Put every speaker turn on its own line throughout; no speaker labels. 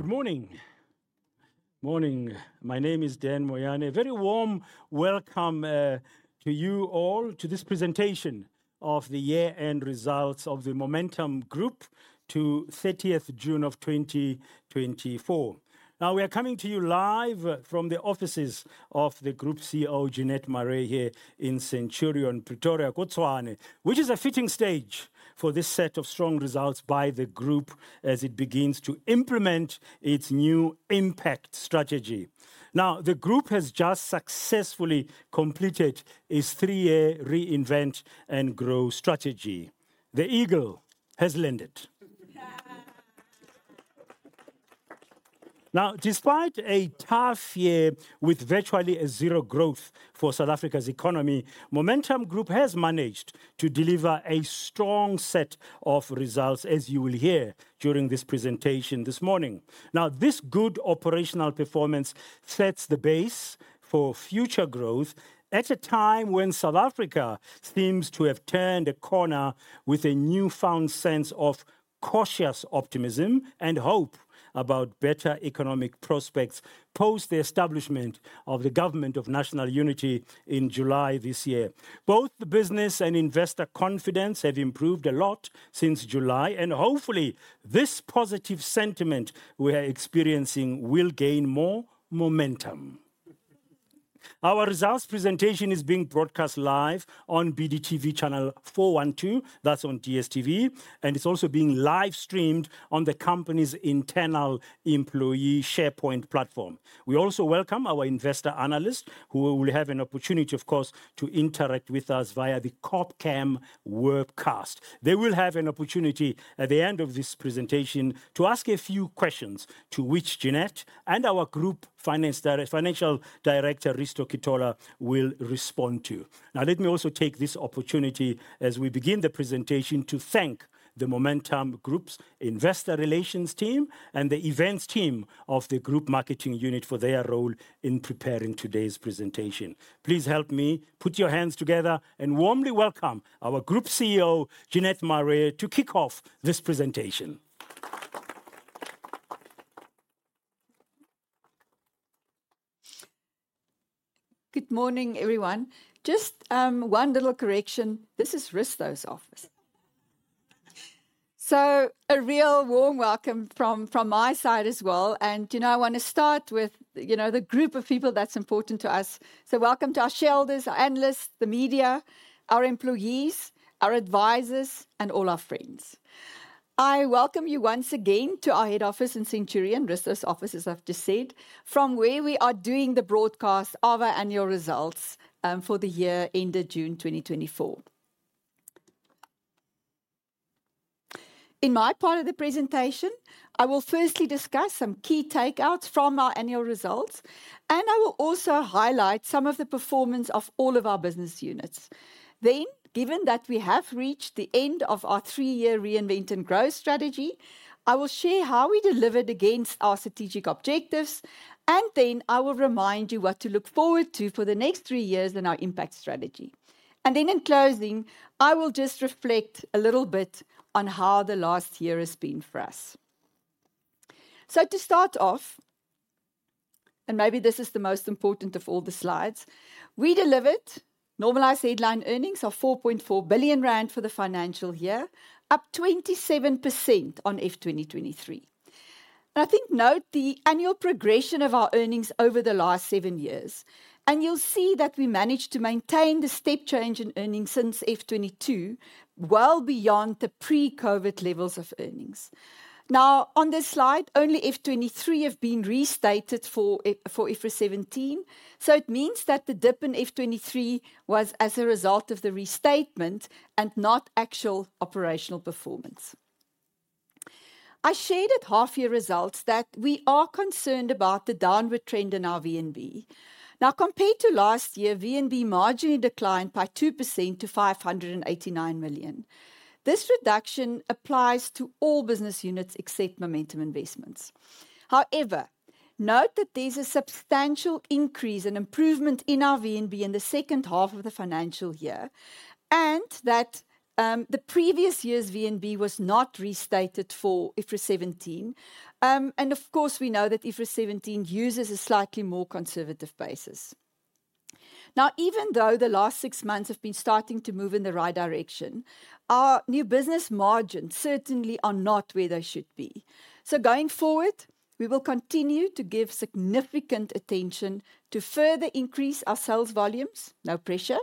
Good morning. Morning. My name is Dan. A very warm welcome to you all to this presentation of the year-end results of the Momentum Group to thirtieth June 2024. Now, we are coming to you live from the offices of the Group CEO, Jeanette Marais, here in Centurion, Pretoria, Gauteng, which is a fitting stage for this set of strong results by the group as it begins to implement its new impact strategy. Now, the group has just successfully completed its three-year reinvent and grow strategy. The eagle has landed. Now, despite a tough year with virtually a zero growth for South Africa's economy, Momentum Group has managed to deliver a strong set of results, as you will hear during this presentation this morning. Now, this good operational performance sets the base for future growth at a time when South Africa seems to have turned a corner with a newfound sense of cautious optimism and hope about better economic prospects post the establishment of the Government of National Unity in July this year. Both the business and investor confidence have improved a lot since July, and hopefully, this positive sentiment we are experiencing will gain more momentum. Our results presentation is being broadcast live on BDTV Channel 412. That's on DStv, and it's also being live-streamed on the company's internal employee SharePoint platform. We also welcome our investor analysts, who will have an opportunity, of course, to interact with us via the Corpcam webcast. They will have an opportunity at the end of this presentation to ask a few questions, to which Jeanette and our group financial director, Risto Kitola, will respond to. Now, let me also take this opportunity as we begin the presentation, to thank the Momentum Group's investor relations team and the events team of the group marketing unit for their role in preparing today's presentation. Please help me, put your hands together and warmly welcome our Group CEO, Jeanette Marais, to kick off this presentation.
Good morning, everyone. Just one little correction. This is Risto's office. So a real warm welcome from my side as well. And, you know, I want to start with, you know, the group of people that's important to us. So welcome to our shareholders, our analysts, the media, our employees, our advisors, and all our friends. I welcome you once again to our head office in Centurion, Risto's office, as I've just said, from where we are doing the broadcast of our annual results for the year ended June 2024. In my part of the presentation, I will firstly discuss some key takeouts from our annual results, and I will also highlight some of the performance of all of our business units. Then, given that we have reached the end of our three-year reinvent and grow strategy, I will share how we delivered against our strategic objectives, and then I will remind you what to look forward to for the next three years in our impact strategy, and then in closing, I will just reflect a little bit on how the last year has been for us, so to start off, and maybe this is the most important of all the slides, we delivered normalized headline earnings of 4.4 billion rand for the financial year, up 27% on FY 2023, and I think, note the annual progression of our earnings over the last seven years, and you'll see that we managed to maintain the step change in earnings since FY 2020, well beyond the pre-COVID levels of earnings. Now, on this slide, only FY 2023 have been restated for IFRS 17, so it means that the dip in FY 2023 was as a result of the restatement and not actual operational performance. I shared at half-year results that we are concerned about the downward trend in our VNB. Now, compared to last year, VNB marginally declined by 2% to 589 million. This reduction applies to all business units except Momentum Investments. However, note that there's a substantial increase and improvement in our VNB in the second half of the financial year, and that, the previous year's VNB was not restated for IFRS 17. And of course, we know that IFRS 17 uses a slightly more conservative basis. Now, even though the last six months have been starting to move in the right direction, our new business margins certainly are not where they should be. So going forward, we will continue to give significant attention to further increase our sales volumes, no pressure,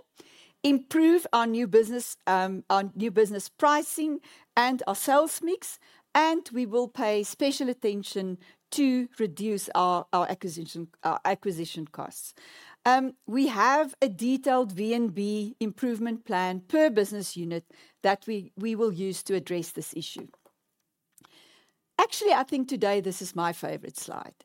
improve our new business, our new business pricing and our sales mix, and we will pay special attention to reduce our acquisition costs. We have a detailed VNB improvement plan per business unit that we will use to address this issue. Actually, I think today this is my favorite slide.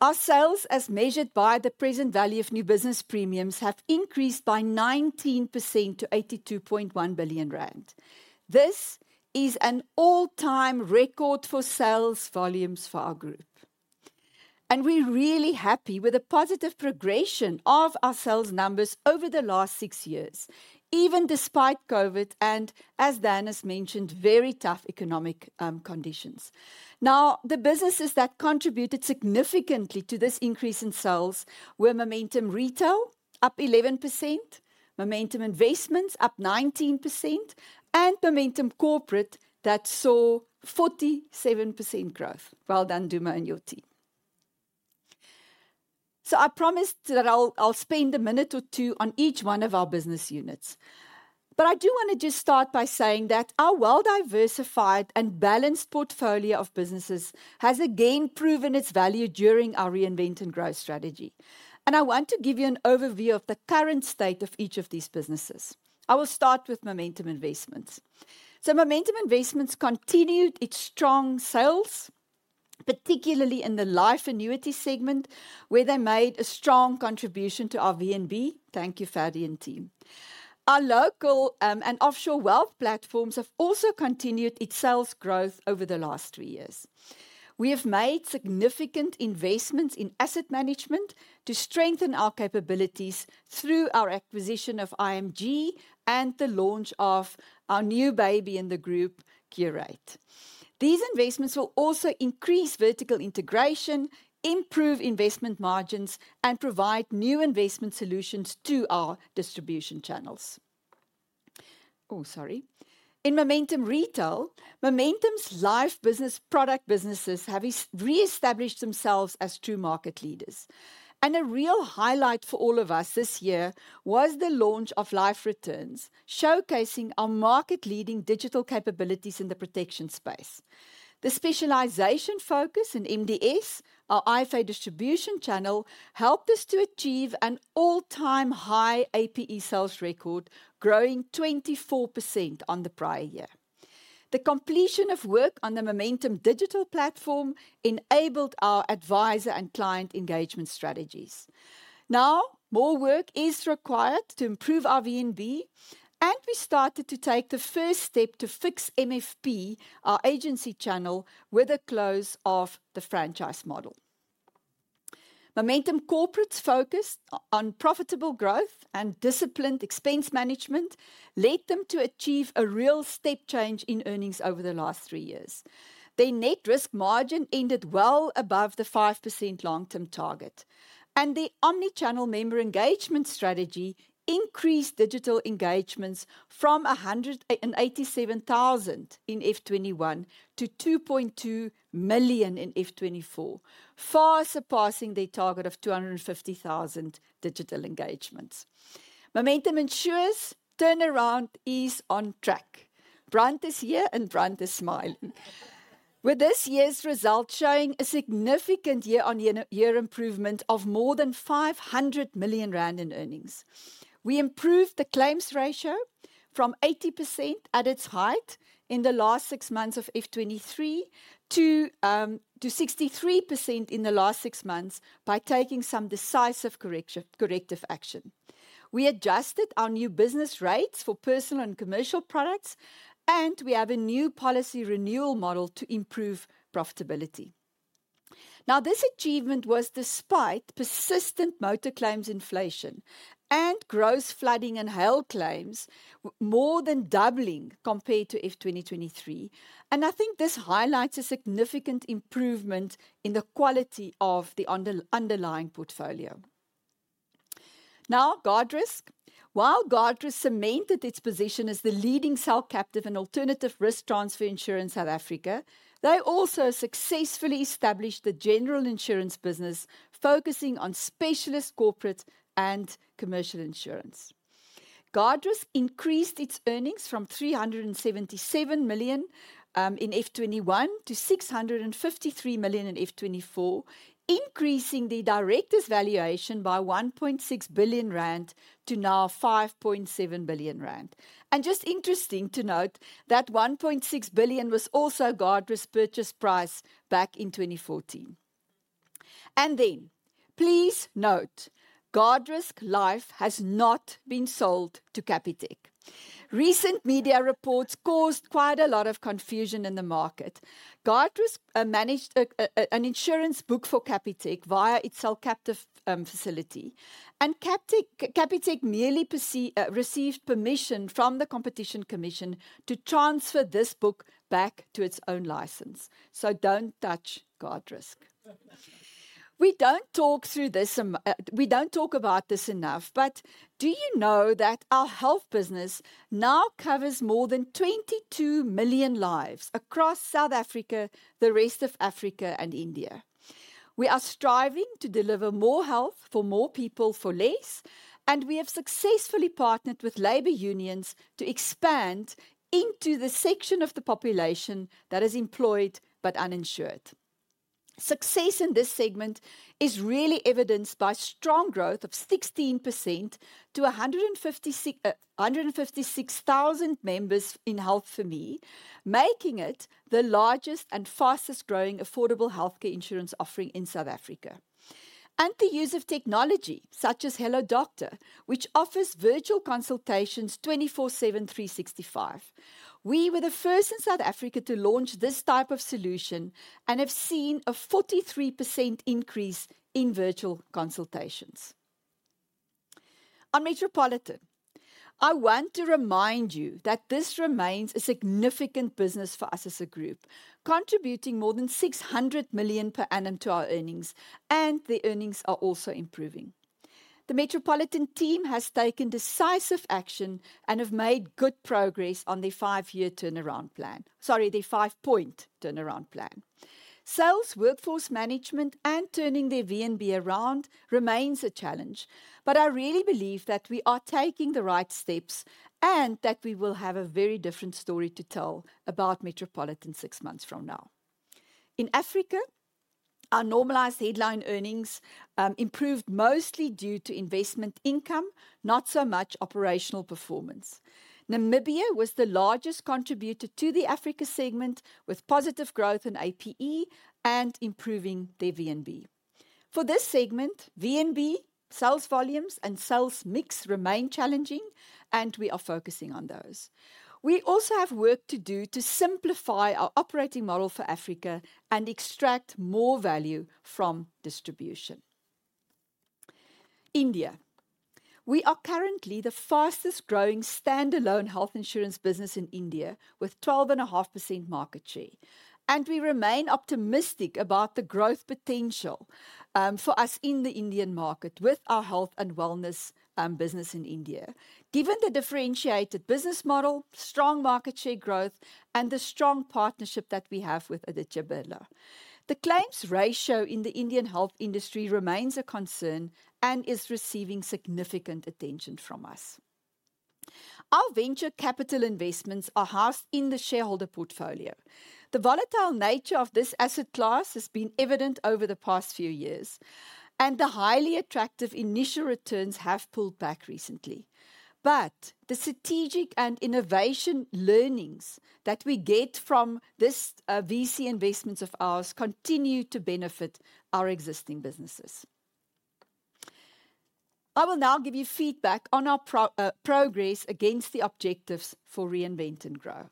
Our sales, as measured by the present value of new business premiums, have increased by 19% to 82.1 billion rand. This is an all-time record for sales volumes for our group. And we're really happy with the positive progression of our sales numbers over the last six years, even despite COVID, and as Dennis mentioned, very tough economic conditions. Now, the businesses that contributed significantly to this increase in sales were Momentum Retail, up 11%; Momentum Investments, up 19%; and Momentum Corporate, that saw 47% growth. Well done, Dumo and your team. So I promised that I'll spend a minute or two on each one of our business units. But I do want to just start by saying that our well-diversified and balanced portfolio of businesses has again proven its value during our reinvent and growth strategy. And I want to give you an overview of the current state of each of these businesses. I will start with Momentum Investments. Momentum Investments continued its strong sales, particularly in the life annuity segment, where they made a strong contribution to our VNB. Thank you, Ferdi and team. Our local and offshore wealth platforms have also continued its sales growth over the last three years. We have made significant investments in asset management to strengthen our capabilities through our acquisition of I&G and the launch of our new baby in the group, Curate. These investments will also increase vertical integration, improve investment margins, and provide new investment solutions to our distribution channels. Oh, sorry. In Momentum Retail, Momentum's life business product businesses have reestablished themselves as true market leaders. A real highlight for all of us this year was the launch of Life Returns, showcasing our market-leading digital capabilities in the protection space. The specialization focus in MDS, our IFA distribution channel, helped us to achieve an all-time high APE sales record, growing 24% on the prior year. The completion of work on the Momentum digital platform enabled our advisor and client engagement strategies. Now, more work is required to improve our VNB, and we started to take the first step to fix MFP, our agency channel, with the close of the franchise model. Momentum Corporate's focus on profitable growth and disciplined expense management led them to achieve a real step change in earnings over the last three years. Their net risk margin ended well above the 5% long-term target, and the omni-channel member engagement strategy increased digital engagements from 187,000 in FY 2021 to 2.2 million in FY 2024, far surpassing their target of 250,000 digital engagements. Momentum Insure's turnaround is on track. Brandt is here, and Brandt is smiling. With this year's results showing a significant year-on-year improvement of more than 500 million rand in earnings. We improved the claims ratio from 80% at its height in the last six months of FY 2023 to 63% in the last six months by taking some decisive corrective action. We adjusted our new business rates for personal and commercial products, and we have a new policy renewal model to improve profitability. Now, this achievement was despite persistent motor claims inflation and gross flooding and hail claims more than doubling compared to FY 2023, and I think this highlights a significant improvement in the quality of the underlying portfolio. Now, Guardrisk. While Guardrisk cemented its position as the leading cell captive and alternative risk transfer insurer in South Africa, they also successfully established the general insurance business, focusing on specialist, corporate, and commercial insurance. Guardrisk increased its earnings from 377 million in FY 2021 to 653 million in FY 2024, increasing the directors' valuation by 1.6 billion rand to now 5.7 billion rand. And just interesting to note that 1.6 billion was also Guardrisk's purchase price back in 2014. And then, please note, Guardrisk Life has not been sold to Capitec. Recent media reports caused quite a lot of confusion in the market. Guardrisk managed an insurance book for Capitec via its cell captive facility, and Capitec merely received permission from the Competition Commission to transfer this book back to its own license, so don't touch Guardrisk. We don't talk through this. We don't talk about this enough, but do you know that our health business now covers more than 22 million lives across South Africa, the rest of Africa, and India? We are striving to deliver more health for more people for less, and we have successfully partnered with labor unions to expand into the section of the population that is employed but uninsured. Success in this segment is really evidenced by strong growth of 16% to 156,000 members in Health4Me, making it the largest and fastest-growing affordable healthcare insurance offering in South Africa, and the use of technology, such as Hello Doctor, which offers virtual consultations 24/7, 365. We were the first in South Africa to launch this type of solution and have seen a 43% increase in virtual consultations. On Metropolitan, I want to remind you that this remains a significant business for us as a group, contributing more than 600 million per annum to our earnings, and the earnings are also improving. The Metropolitan team has taken decisive action and have made good progress on their five-year turnaround plan. Sorry, their five-point turnaround plan. Sales, workforce management, and turning their VNB around remains a challenge, but I really believe that we are taking the right steps and that we will have a very different story to tell about Metropolitan six months from now. In Africa, our normalized headline earnings improved mostly due to investment income, not so much operational performance. Namibia was the largest contributor to the Africa segment, with positive growth in APE and improving their VNB. For this segment, VNB, sales volumes, and sales mix remain challenging, and we are focusing on those. We also have work to do to simplify our operating model for Africa and extract more value from distribution. India, we are currently the fastest-growing standalone health insurance business in India, with 12.5% market share, and we remain optimistic about the growth potential for us in the Indian market with our health and wellness business in India. Given the differentiated business model, strong market share growth, and the strong partnership that we have with Aditya Birla, the claims ratio in the Indian health industry remains a concern and is receiving significant attention from us. Our venture capital investments are housed in the shareholder portfolio. The volatile nature of this asset class has been evident over the past few years, and the highly attractive initial returns have pulled back recently. But the strategic and innovation learnings that we get from this VC investments of ours continue to benefit our existing businesses. I will now give you feedback on our progress against the objectives for Reinvent and Grow.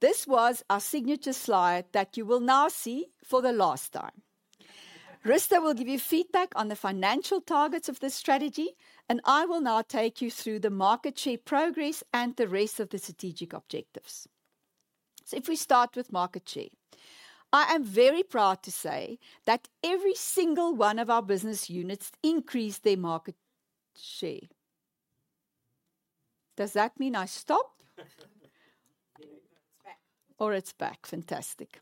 This was our signature slide that you will now see for the last time. Risto will give you feedback on the financial targets of this strategy, and I will now take you through the market share progress and the rest of the strategic objectives. So if we start with market share, I am very proud to say that every single one of our business units increased their market share. Does that mean I stop?
It's back.
Or it's back. Fantastic.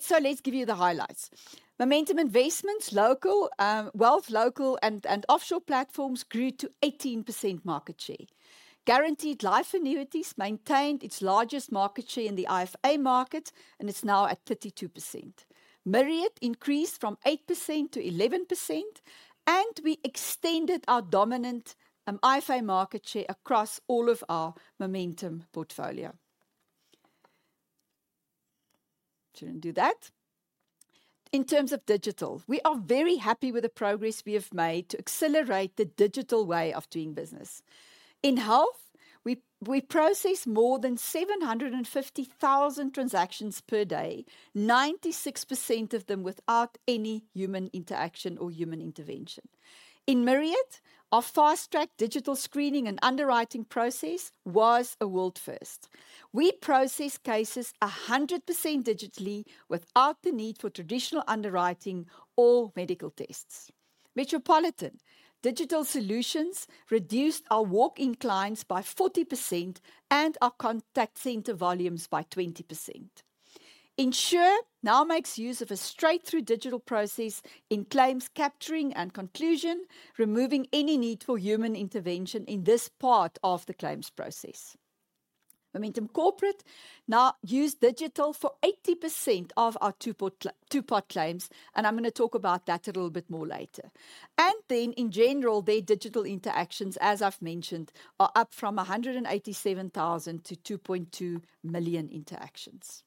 So let's give you the highlights. Momentum Investments, local wealth, local and offshore platforms grew to 18% market share. Guaranteed life annuities maintained its largest market share in the IFA market, and it's now at 32%. Myriad increased from 8% to 11%, and we extended our dominant IFA market share across all of our Momentum portfolio. Shouldn't do that. In terms of digital, we are very happy with the progress we have made to accelerate the digital way of doing business. In health, we process more than 750,000 transactions per day, 96% of them without any human interaction or human intervention. In Myriad, our fast-track digital screening and underwriting process was a world first. We process cases 100% digitally without the need for traditional underwriting or medical tests. Metropolitan digital solutions reduced our walk-in clients by 40% and our contact center volumes by 20%. Insure now makes use of a straight-through digital process in claims capturing and conclusion, removing any need for human intervention in this part of the claims process. Momentum Corporate now use digital for 80% of our two-part claims, and I'm gonna talk about that a little bit more later. In general, their digital interactions, as I've mentioned, are up from 187,000 to 2.2 million interactions.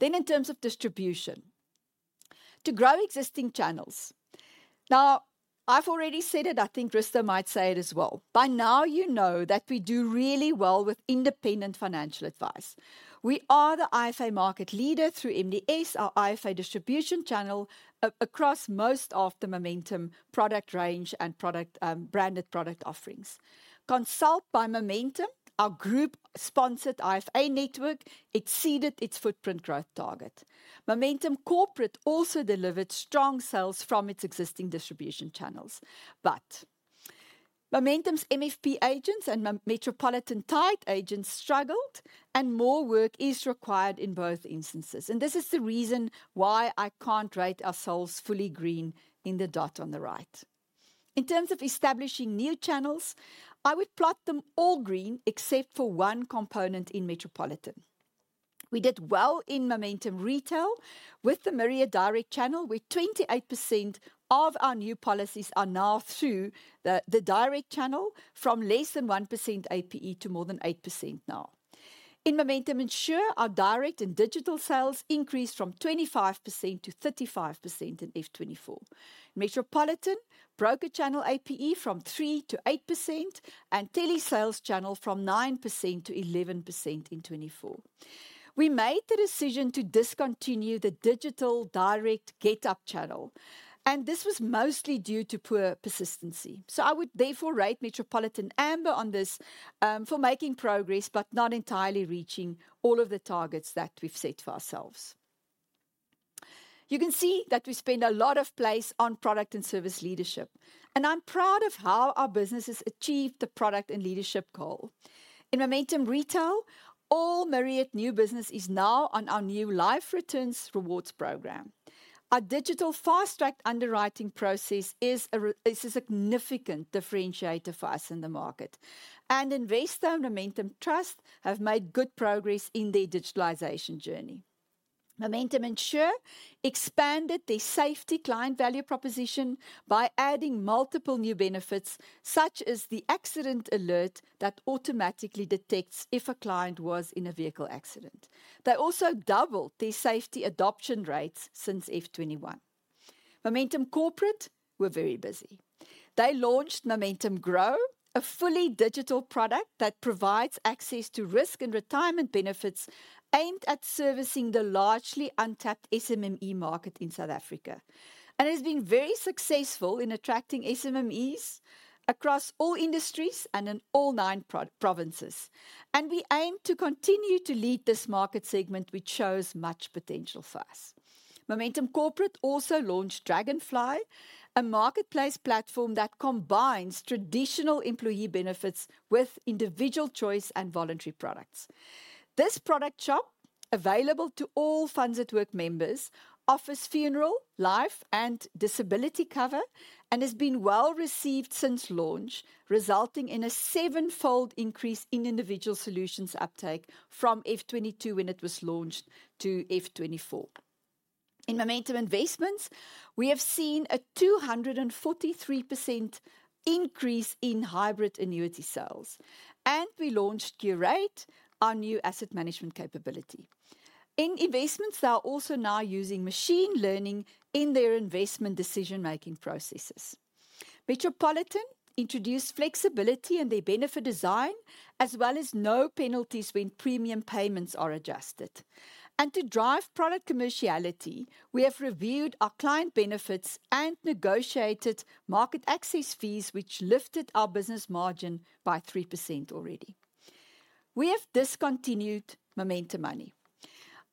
In terms of distribution, to grow existing channels. Now, I've already said it, I think Risto might say it as well. By now, you know that we do really well with independent financial advice. We are the IFA market leader through MDS, our IFA distribution channel, across most of the Momentum product range and product branded product offerings. Consult by Momentum, our group-sponsored IFA network, exceeded its footprint growth target. Momentum Corporate also delivered strong sales from its existing distribution channels. But Momentum's MFP agents and Metropolitan Tide agents struggled, and more work is required in both instances, and this is the reason why I can't rate our sales fully green in the dot on the right. In terms of establishing new channels, I would plot them all green except for one component in Metropolitan. We did well in Momentum Retail with the Myriad Direct channel, where 28% of our new policies are now through the direct channel, from less than 1% APE to more than 8% now. In Momentum Insure, our direct and digital sales increased from 25% to 35% in F24. Metropolitan broker channel APE from 3% to 8%, and telesales channel from 9% to 11% in 2024. We made the decision to discontinue the digital direct GetUp channel, and this was mostly due to poor persistency. So I would therefore rate Metropolitan amber on this for making progress, but not entirely reaching all of the targets that we've set for ourselves. You can see that we spend a lot of emphasis on product and service leadership, and I'm proud of how our businesses achieved the product and service leadership goal. In Momentum Retail, all Myriad new business is now on our new Life Returns rewards program. Our digital fast-track underwriting process is a significant differentiator for us in the market, and Investec Momentum Trust have made good progress in their digitalization journey. Momentum Insure expanded their safety client value proposition by adding multiple new benefits, such as the accident alert that automatically detects if a client was in a vehicle accident. They also doubled their safety adoption rates since F21. Momentum Corporate were very busy. They launched Momentum Grow, a fully digital product that provides access to risk and retirement benefits aimed at servicing the largely untapped SMME market in South Africa, and has been very successful in attracting SMMEs across all industries and in all nine provinces, and we aim to continue to lead this market segment, which shows much potential for us. Momentum Corporate also launched Dragonfly, a marketplace platform that combines traditional employee benefits with individual choice and voluntary products. This product shop, available to all FundsAtWork members, offers funeral, life, and disability cover, and has been well received since launch, resulting in a seven-fold increase in individual solutions uptake from F22 when it was launched to F24. In Momentum Investments, we have seen a 243% increase in hybrid annuity sales, and we launched Curate, our new asset management capability. In investments, they are also now using machine learning in their investment decision-making processes. Metropolitan introduced flexibility in their benefit design, as well as no penalties when premium payments are adjusted. To drive product commerciality, we have reviewed our client benefits and negotiated market access fees, which lifted our business margin by 3% already. We have discontinued Momentum Money.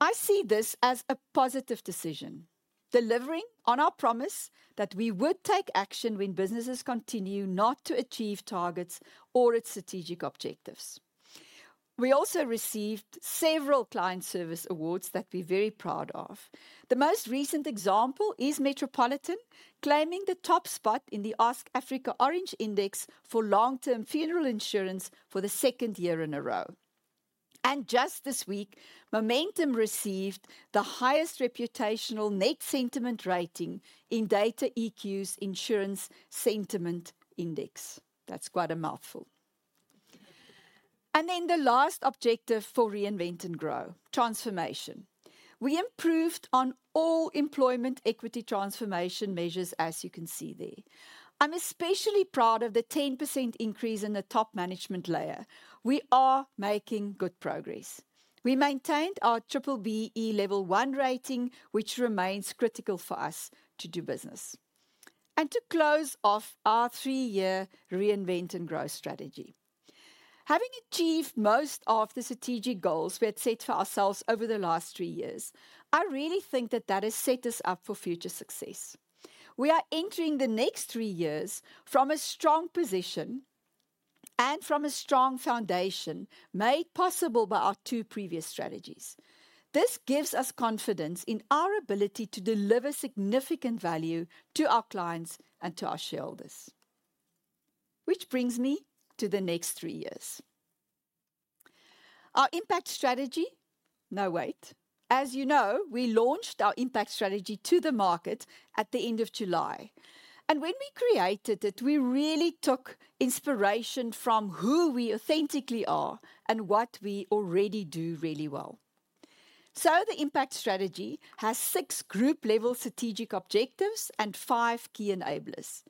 I see this as a positive decision, delivering on our promise that we would take action when businesses continue not to achieve targets or its strategic objectives. We also received several client service awards that we're very proud of. The most recent example is Metropolitan claiming the top spot in the Ask Africa Orange Index for long-term funeral insurance for the second year in a row, and just this week, Momentum received the highest reputational net sentiment rating in DataEQ's Insurance Sentiment Index. That's quite a mouthful, and then the last objective for Reinvent and Grow: transformation. We improved on all employment equity transformation measures, as you can see there. I'm especially proud of the 10% increase in the top management layer. We are making good progress. We maintained our Triple BEE Level One rating, which remains critical for us to do business. To close off our three-year Reinvent and Grow strategy. Having achieved most of the strategic goals we had set for ourselves over the last three years, I really think that that has set us up for future success. We are entering the next three years from a strong position and from a strong foundation, made possible by our two previous strategies. This gives us confidence in our ability to deliver significant value to our clients and to our shareholders. Which brings me to the next three years. Our Impact strategy. No, wait. As you know, we launched our Impact strategy to the market at the end of July, and when we created it, we really took inspiration from who we authentically are and what we already do really well. The Impact strategy has six group-level strategic objectives and five key enablers.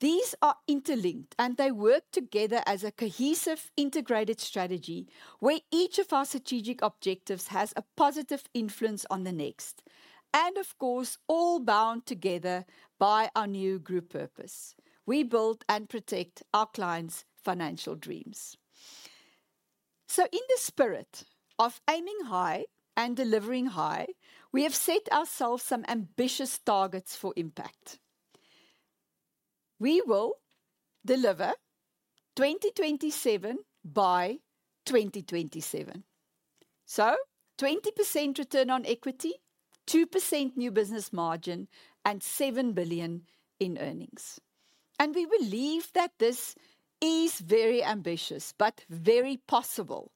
These are interlinked, and they work together as a cohesive, integrated strategy, where each of our strategic objectives has a positive influence on the next, and of course, all bound together by our new group purpose: We build and protect our clients' financial dreams. So in the spirit of aiming high and delivering high, we have set ourselves some ambitious targets for Impact. We will deliver 2027 by 2027. So 20% return on equity, 2% new business margin, and 7 billion in earnings. And we believe that this is very ambitious, but very possible,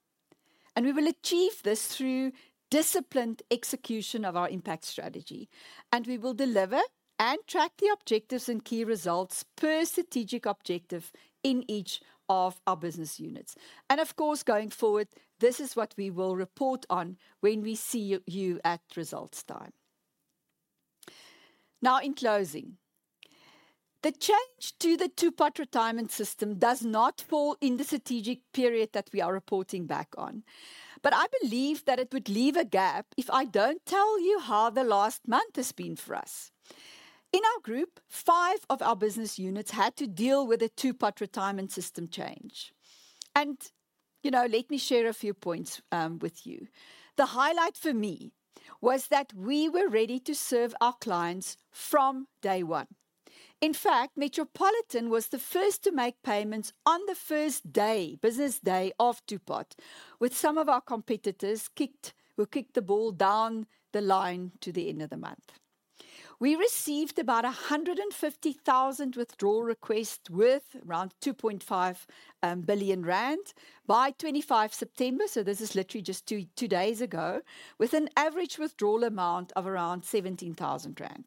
and we will achieve this through disciplined execution of our Impact strategy. And we will deliver and track the objectives and key results per strategic objective in each of our business units. And of course, going forward, this is what we will report on when we see you at results time. Now, in closing, the change to the Two-Pot Retirement System does not fall in the strategic period that we are reporting back on. But I believe that it would leave a gap if I don't tell you how the last month has been for us. In our group, five of our business units had to deal with the Two-Pot Retirement System change. And, you know, let me share a few points with you. The highlight for me was that we were ready to serve our clients from day one. In fact, Metropolitan was the first to make payments on the first day, business day, of Two-Pot, with some of our competitors who kicked the ball down the line to the end of the month. We received about 150,000 withdrawal requests, worth around 2.5 billion rand, by September 25, so this is literally just two days ago, with an average withdrawal amount of around 17,000 rand.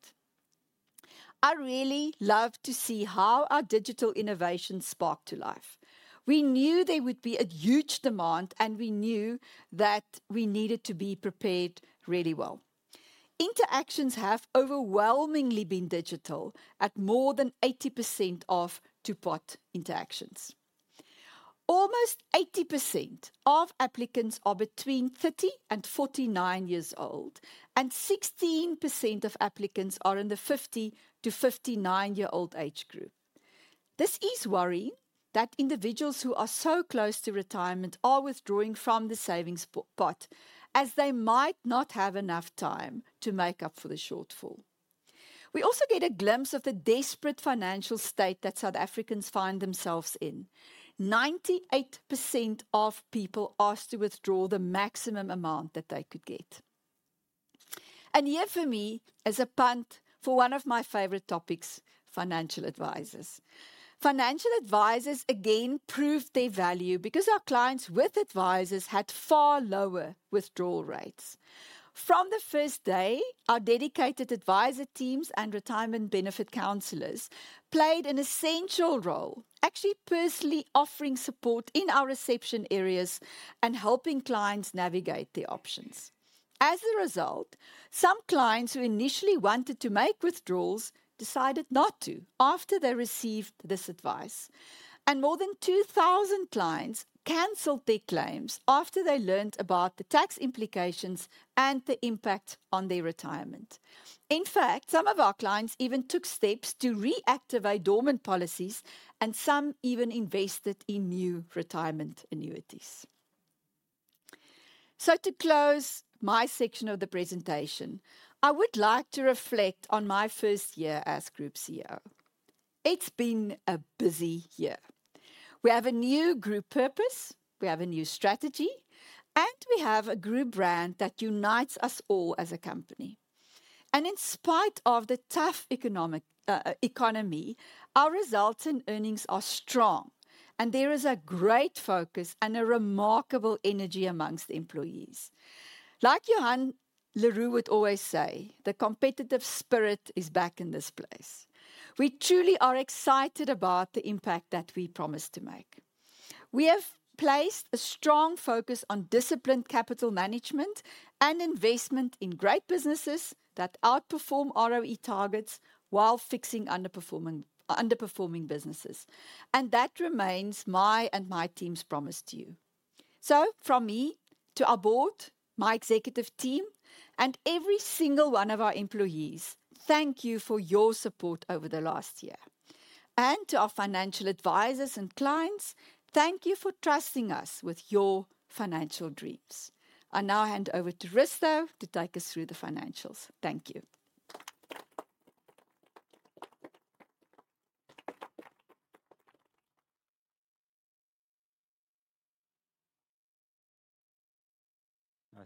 I really love to see how our digital innovation sparked to life. We knew there would be a huge demand, and we knew that we needed to be prepared really well. Interactions have overwhelmingly been digital at more than 80% of Two-Pot interactions. Almost 80% of applicants are between 30 and 49 years old, and 16% of applicants are in the 50-year-59-year-old age group. This is worrying that individuals who are so close to retirement are withdrawing from the savings pot, as they might not have enough time to make up for the shortfall. We also get a glimpse of the desperate financial state that South Africans find themselves in, 98% of people asked to withdraw the maximum amount that they could get. And here, for me, is a point for one of my favorite topics, financial advisors. Financial advisors again proved their value because our clients with advisors had far lower withdrawal rates. From the first day, our dedicated advisor teams and retirement benefit counselors played an essential role, actually personally offering support in our reception areas and helping clients navigate their options. As a result, some clients who initially wanted to make withdrawals decided not to after they received this advice. And more than 2,000 clients canceled their claims after they learned about the tax implications and the impact on their retirement. In fact, some of our clients even took steps to reactivate dormant policies, and some even invested in new retirement annuities. To close my section of the presentation, I would like to reflect on my first year as group CEO. It's been a busy year. We have a new group purpose, we have a new strategy, and we have a group brand that unites us all as a company. In spite of the tough economy, our results and earnings are strong, and there is a great focus and a remarkable energy among employees. Like Johan le Roux would always say, "The competitive spirit is back in this place." We truly are excited about the impact that we promise to make. We have placed a strong focus on disciplined capital management and investment in great businesses that outperform ROE targets while fixing underperforming, underperforming businesses, and that remains my and my team's promise to you, so from me, to our board, my executive team, and every single one of our employees, thank you for your support over the last year, and to our financial advisors and clients, thank you for trusting us with your financial dreams. I now hand over to Risto to take us through the financials. Thank you.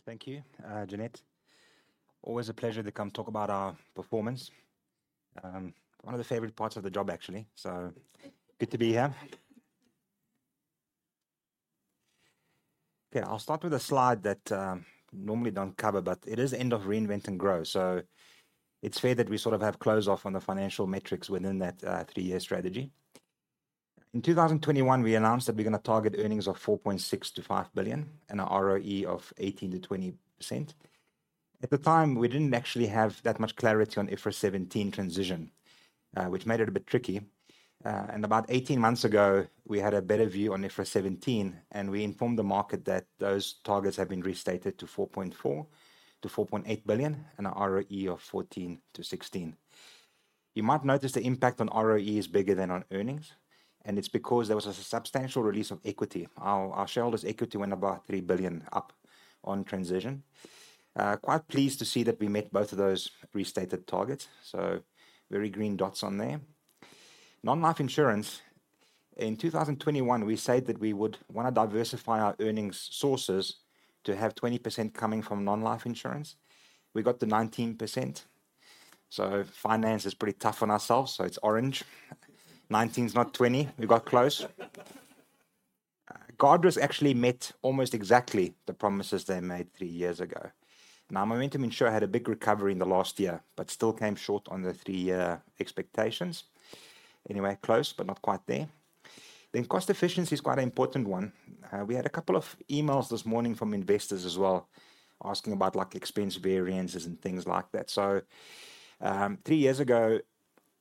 Thank you, Jeanette. Always a pleasure to come talk about our performance. One of the favorite parts of the job, actually. So good to be here. Okay, I'll start with a slide that normally don't cover, but it is end of Reinvent and Grow, so it's fair that we sort of have close off on the financial metrics within that three-year strategy. In 2021, we announced that we're gonna target earnings of 4.6 billion-5 billion and a ROE of 18%-20%. At the time, we didn't actually have that much clarity on IFRS 17 transition, which made it a bit tricky. About eighteen months ago, we had a better view on IFRS 17, and we informed the market that those targets have been restated to 4.4 billion-4.8 billion and a ROE of 14%-16%. You might notice the impact on ROE is bigger than on earnings, and it's because there was a substantial release of equity. Our shareholders' equity went about 3 billion up on transition. Quite pleased to see that we met both of those restated targets, so very green dots on there. Non-life insurance. In 2021, we said that we would wanna diversify our earnings sources to have 20% coming from non-life insurance. We got to 19%, so finance is pretty tough on ourselves, so it's orange. Nineteen's not 20. We got close. Guardrisk actually met almost exactly the promises they made three years ago. Now, Momentum Insure had a big recovery in the last year, but still came short on the three-year expectations. Anyway, close, but not quite there. Then cost efficiency is quite an important one. We had a couple of emails this morning from investors as well, asking about, like, expense variances and things like that. So, three years ago,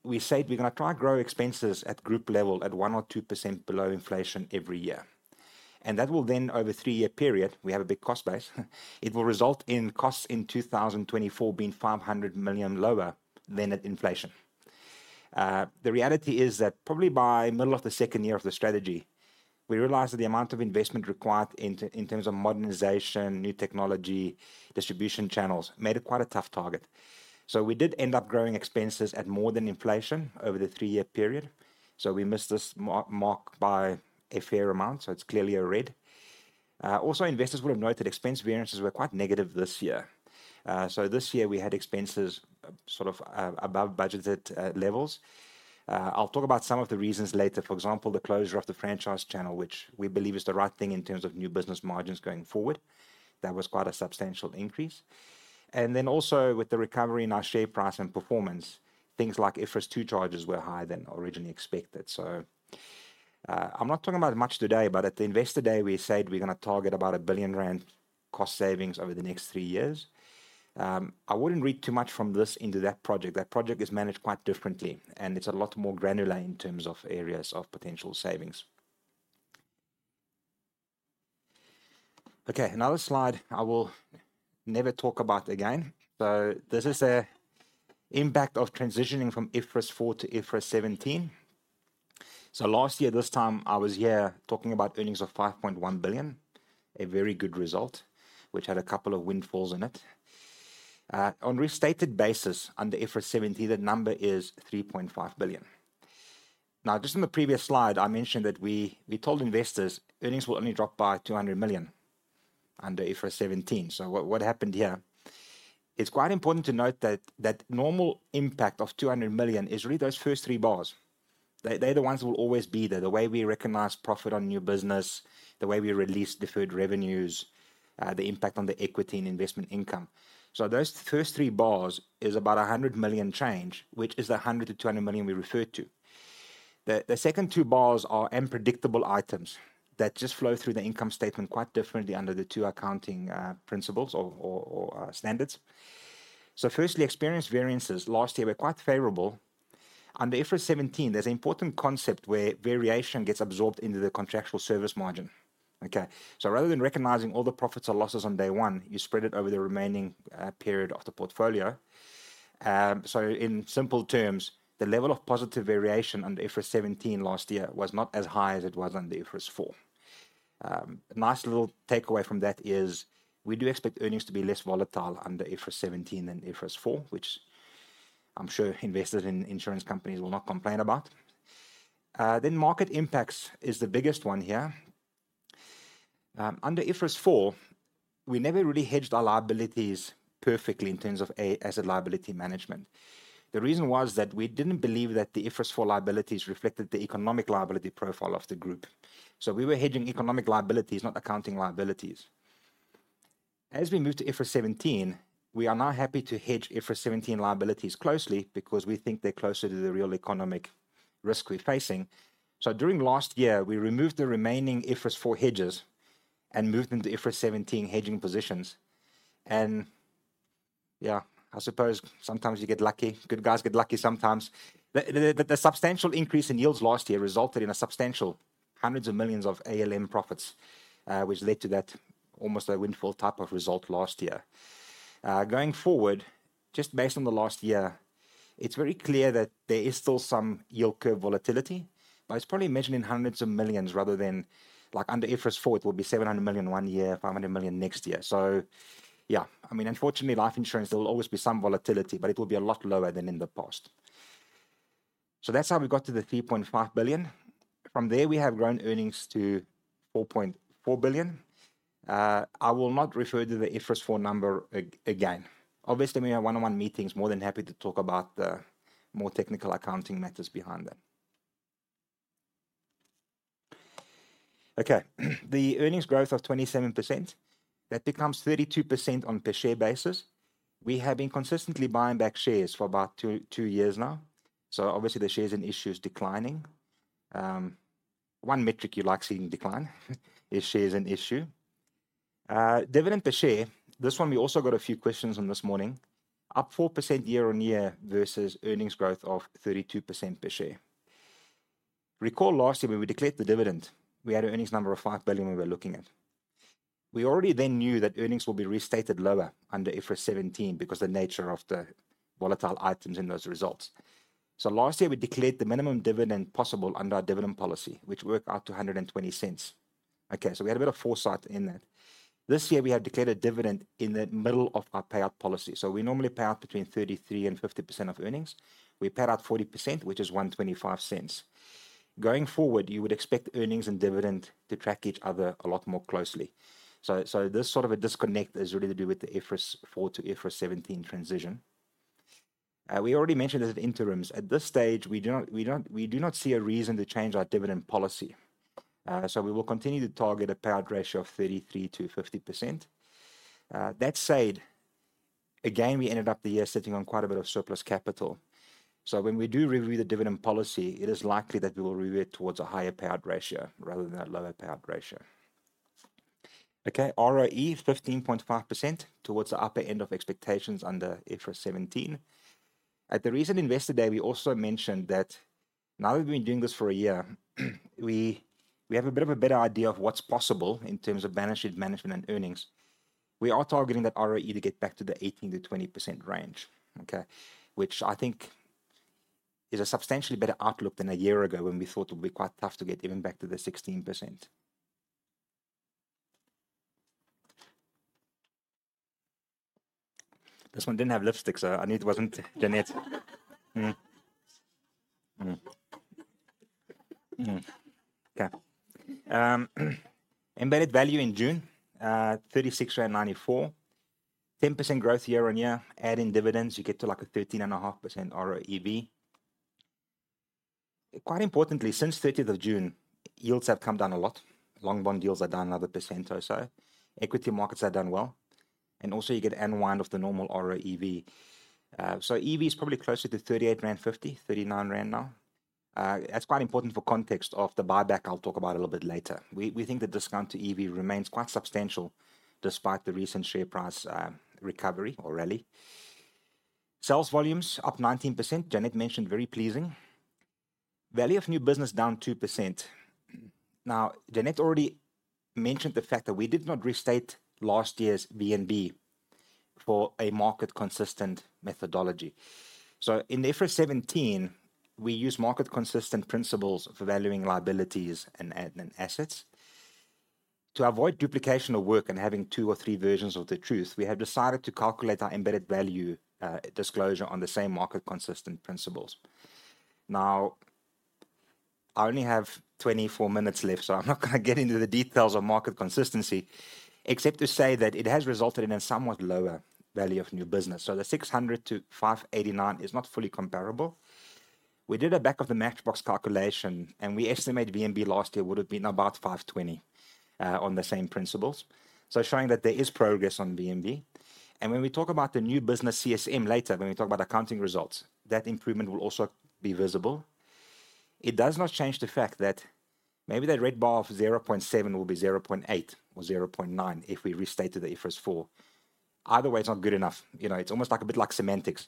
we said we're gonna try and grow expenses at group level at 1% or 2% below inflation every year. And that will then, over a three-year period, we have a big cost base, it will result in costs in 2024 being 500 million lower than at inflation. The reality is that probably by middle of the second year of the strategy, we realized that the amount of investment required in terms of modernization, new technology, distribution channels, made it quite a tough target. So we did end up growing expenses at more than inflation over the three-year period. So we missed this mark by a fair amount, so it's clearly a red. Also, investors will have noted expense variances were quite negative this year. So this year we had expenses sort of above budgeted levels. I'll talk about some of the reasons later. For example, the closure of the franchise channel, which we believe is the right thing in terms of new business margins going forward. That was quite a substantial increase. Then also, with the recovery in our share price and performance, things like IFRS 2 charges were higher than originally expected. So, I'm not talking about it much today, but at the Investor Day, we said we're gonna target about 1 billion rand cost savings over the next three years. I wouldn't read too much from this into that project. That project is managed quite differently, and it's a lot more granular in terms of areas of potential savings. Okay, another slide I will never talk about again. So this is an impact of transitioning from IFRS 4 to IFRS 17. So last year, this time I was here talking about earnings of 5.1 billion, a very good result, which had a couple of windfalls in it. On restated basis, under IFRS 17, the number is 3.5 billion. Now, just in the previous slide, I mentioned that we told investors earnings will only drop by 200 million under IFRS 17. So what happened here? It's quite important to note that that normal impact of 200 million is really those first three bars. They're the ones who will always be there. The way we recognize profit on new business, the way we release deferred revenues, the impact on the equity and investment income. So those first three bars is about a 100 million change, which is the 100 million to 200 million we referred to. The second two bars are unpredictable items that just flow through the income statement quite differently under the two accounting principles or standards. So firstly, experience variances last year were quite favorable. Under IFRS 17, there's an important concept where variation gets absorbed into the contractual service margin, okay? So rather than recognizing all the profits or losses on day one, you spread it over the remaining period of the portfolio. So in simple terms, the level of positive variation under IFRS 17 last year was not as high as it was under IFRS 4. A nice little takeaway from that is we do expect earnings to be less volatile under IFRS 17 than IFRS 4, which I'm sure investors in insurance companies will not complain about. Then market impacts is the biggest one here. Under IFRS 4, we never really hedged our liabilities perfectly in terms of asset liability management. The reason was that we didn't believe that the IFRS 4 liabilities reflected the economic liability profile of the group. So we were hedging economic liabilities, not accounting liabilities. As we move to IFRS 17, we are now happy to hedge IFRS 17 liabilities closely because we think they're closer to the real economic risk we're facing. So during last year, we removed the remaining IFRS 4 hedges and moved them to IFRS 17 hedging positions. And, yeah, I suppose sometimes you get lucky. Good guys get lucky sometimes. The substantial increase in yields last year resulted in a substantial hundreds of millions of ALM profits, which led to that almost a windfall type of result last year. Going forward, just based on the last year, it's very clear that there is still some yield curve volatility, but it's probably measured in hundreds of millions rather than, like, under IFRS 4, it will be 700 million one year, 500 million next year. So yeah, I mean, unfortunately, life insurance, there will always be some volatility, but it will be a lot lower than in the past. So that's how we got to the 3.5 billion. From there, we have grown earnings to 4.4 billion. I will not refer to the IFRS 4 number again. Obviously, in my one-on-one meetings, more than happy to talk about the more technical accounting matters behind that. Okay. The earnings growth of 27%, that becomes 32% on per share basis. We have been consistently buying back shares for about two years now, so obviously, the shares in issue is declining. One metric you like seeing decline is shares in issue. Dividend per share, this one we also got a few questions on this morning, up 4% year on year versus earnings growth of 32% per share. Recall last year, when we declared the dividend, we had an earnings number of 5 billion we were looking at. We already then knew that earnings will be restated lower under IFRS 17 because the nature of the volatile items in those results. So last year, we declared the minimum dividend possible under our dividend policy, which worked out to 1.20. Okay, so we had a bit of foresight in that. This year, we have declared a dividend in the middle of our payout policy. So we normally pay out between 33% and 50% of earnings. We paid out 40%, which is 1.25. Going forward, you would expect earnings and dividend to track each other a lot more closely. So this sort of a disconnect is really to do with the IFRS 4 to IFRS 17 transition. We already mentioned those interims. At this stage, we do not see a reason to change our dividend policy. So we will continue to target a payout ratio of 33%-50%. That said, again, we ended up the year sitting on quite a bit of surplus capital. So when we do review the dividend policy, it is likely that we will review it towards a higher payout ratio rather than a lower payout ratio. Okay, ROE 15.5% towards the upper end of expectations under IFRS 17. At the recent Investor Day, we also mentioned that now that we've been doing this for a year, we have a bit of a better idea of what's possible in terms of balance sheet management and earnings. We are targeting that ROE to get back to the 18%-20% range, okay? Which I think is a substantially better outlook than a year ago, when we thought it would be quite tough to get even back to the 16%. This one didn't have lipstick, so I knew it wasn't Janet. Embedded value in June 36.94. 10% growth year-on-year. Add in dividends, you get to, like, a 13.5% ROEV. Quite importantly, since June 30th, yields have come down a lot. Long bond yields are down another percent or so. Equity markets have done well, and also you get an unwind of the normal ROEV. So EV is probably closer to 38.50-39 rand now. That's quite important for context of the buyback I'll talk about a little bit later. We think the discount to EV remains quite substantial despite the recent share price, recovery or rally. Sales volumes up 19%. Janet mentioned, very pleasing. Value of new business down 2%. Now, Janet already mentioned the fact that we did not restate last year's VNB for a market-consistent methodology. So in IFRS 17, we use market-consistent principles for valuing liabilities and assets. To avoid duplication of work and having two or three versions of the truth, we have decided to calculate our embedded value disclosure on the same market-consistent principles. Now, I only have 24 minutes left, so I'm not gonna get into the details of market consistency, except to say that it has resulted in a somewhat lower value of new business. So the 600-589 is not fully comparable. We did a back-of-the-matchbox calculation, and we estimate VNB last year would have been about 520 on the same principles. So showing that there is progress on VNB, and when we talk about the new business CSM later, when we talk about accounting results, that improvement will also be visible. It does not change the fact that maybe that red bar of 0.7 will be 0.8 or 0.9 if we restated the IFRS 4. Either way, it's not good enough. You know, it's almost like a bit like semantics.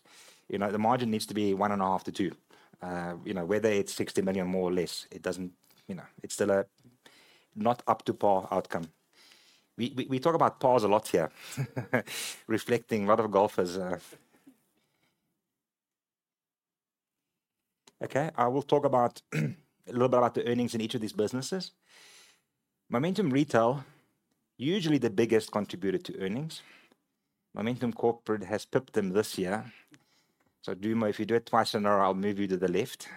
You know, the margin needs to be 1.5-2. You know, whether it's 60 million, more or less, it doesn't. You know, it's still a not up to par outcome. We talk about pars a lot here, reflecting a lot of golfers. Okay, I will talk about a little about the earnings in each of these businesses. Momentum Retail, usually the biggest contributor to earnings. Momentum Corporate has pipped them this year. So, if you do it twice in a row, I'll move you to the left.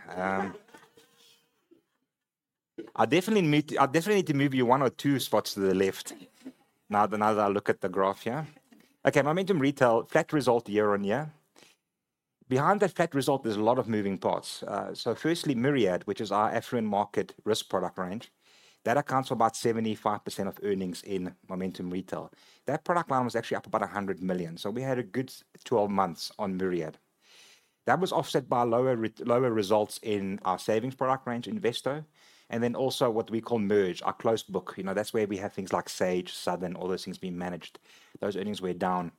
I definitely need to move you one or two spots to the left now that I look at the graph here. Okay, Momentum Retail, flat result year on year. Behind that flat result, there's a lot of moving parts. So firstly, Myriad, which is our affluent market risk product range, that accounts for about 75% of earnings in Momentum Retail. That product line was actually up about 100 million, so we had a good 12 months on Myriad. That was offset by lower results in our savings product range, Investo, and then also what we call Merge, our closed book. You know, that's where we have things like Sage, Southern, all those things being managed. Those earnings were down.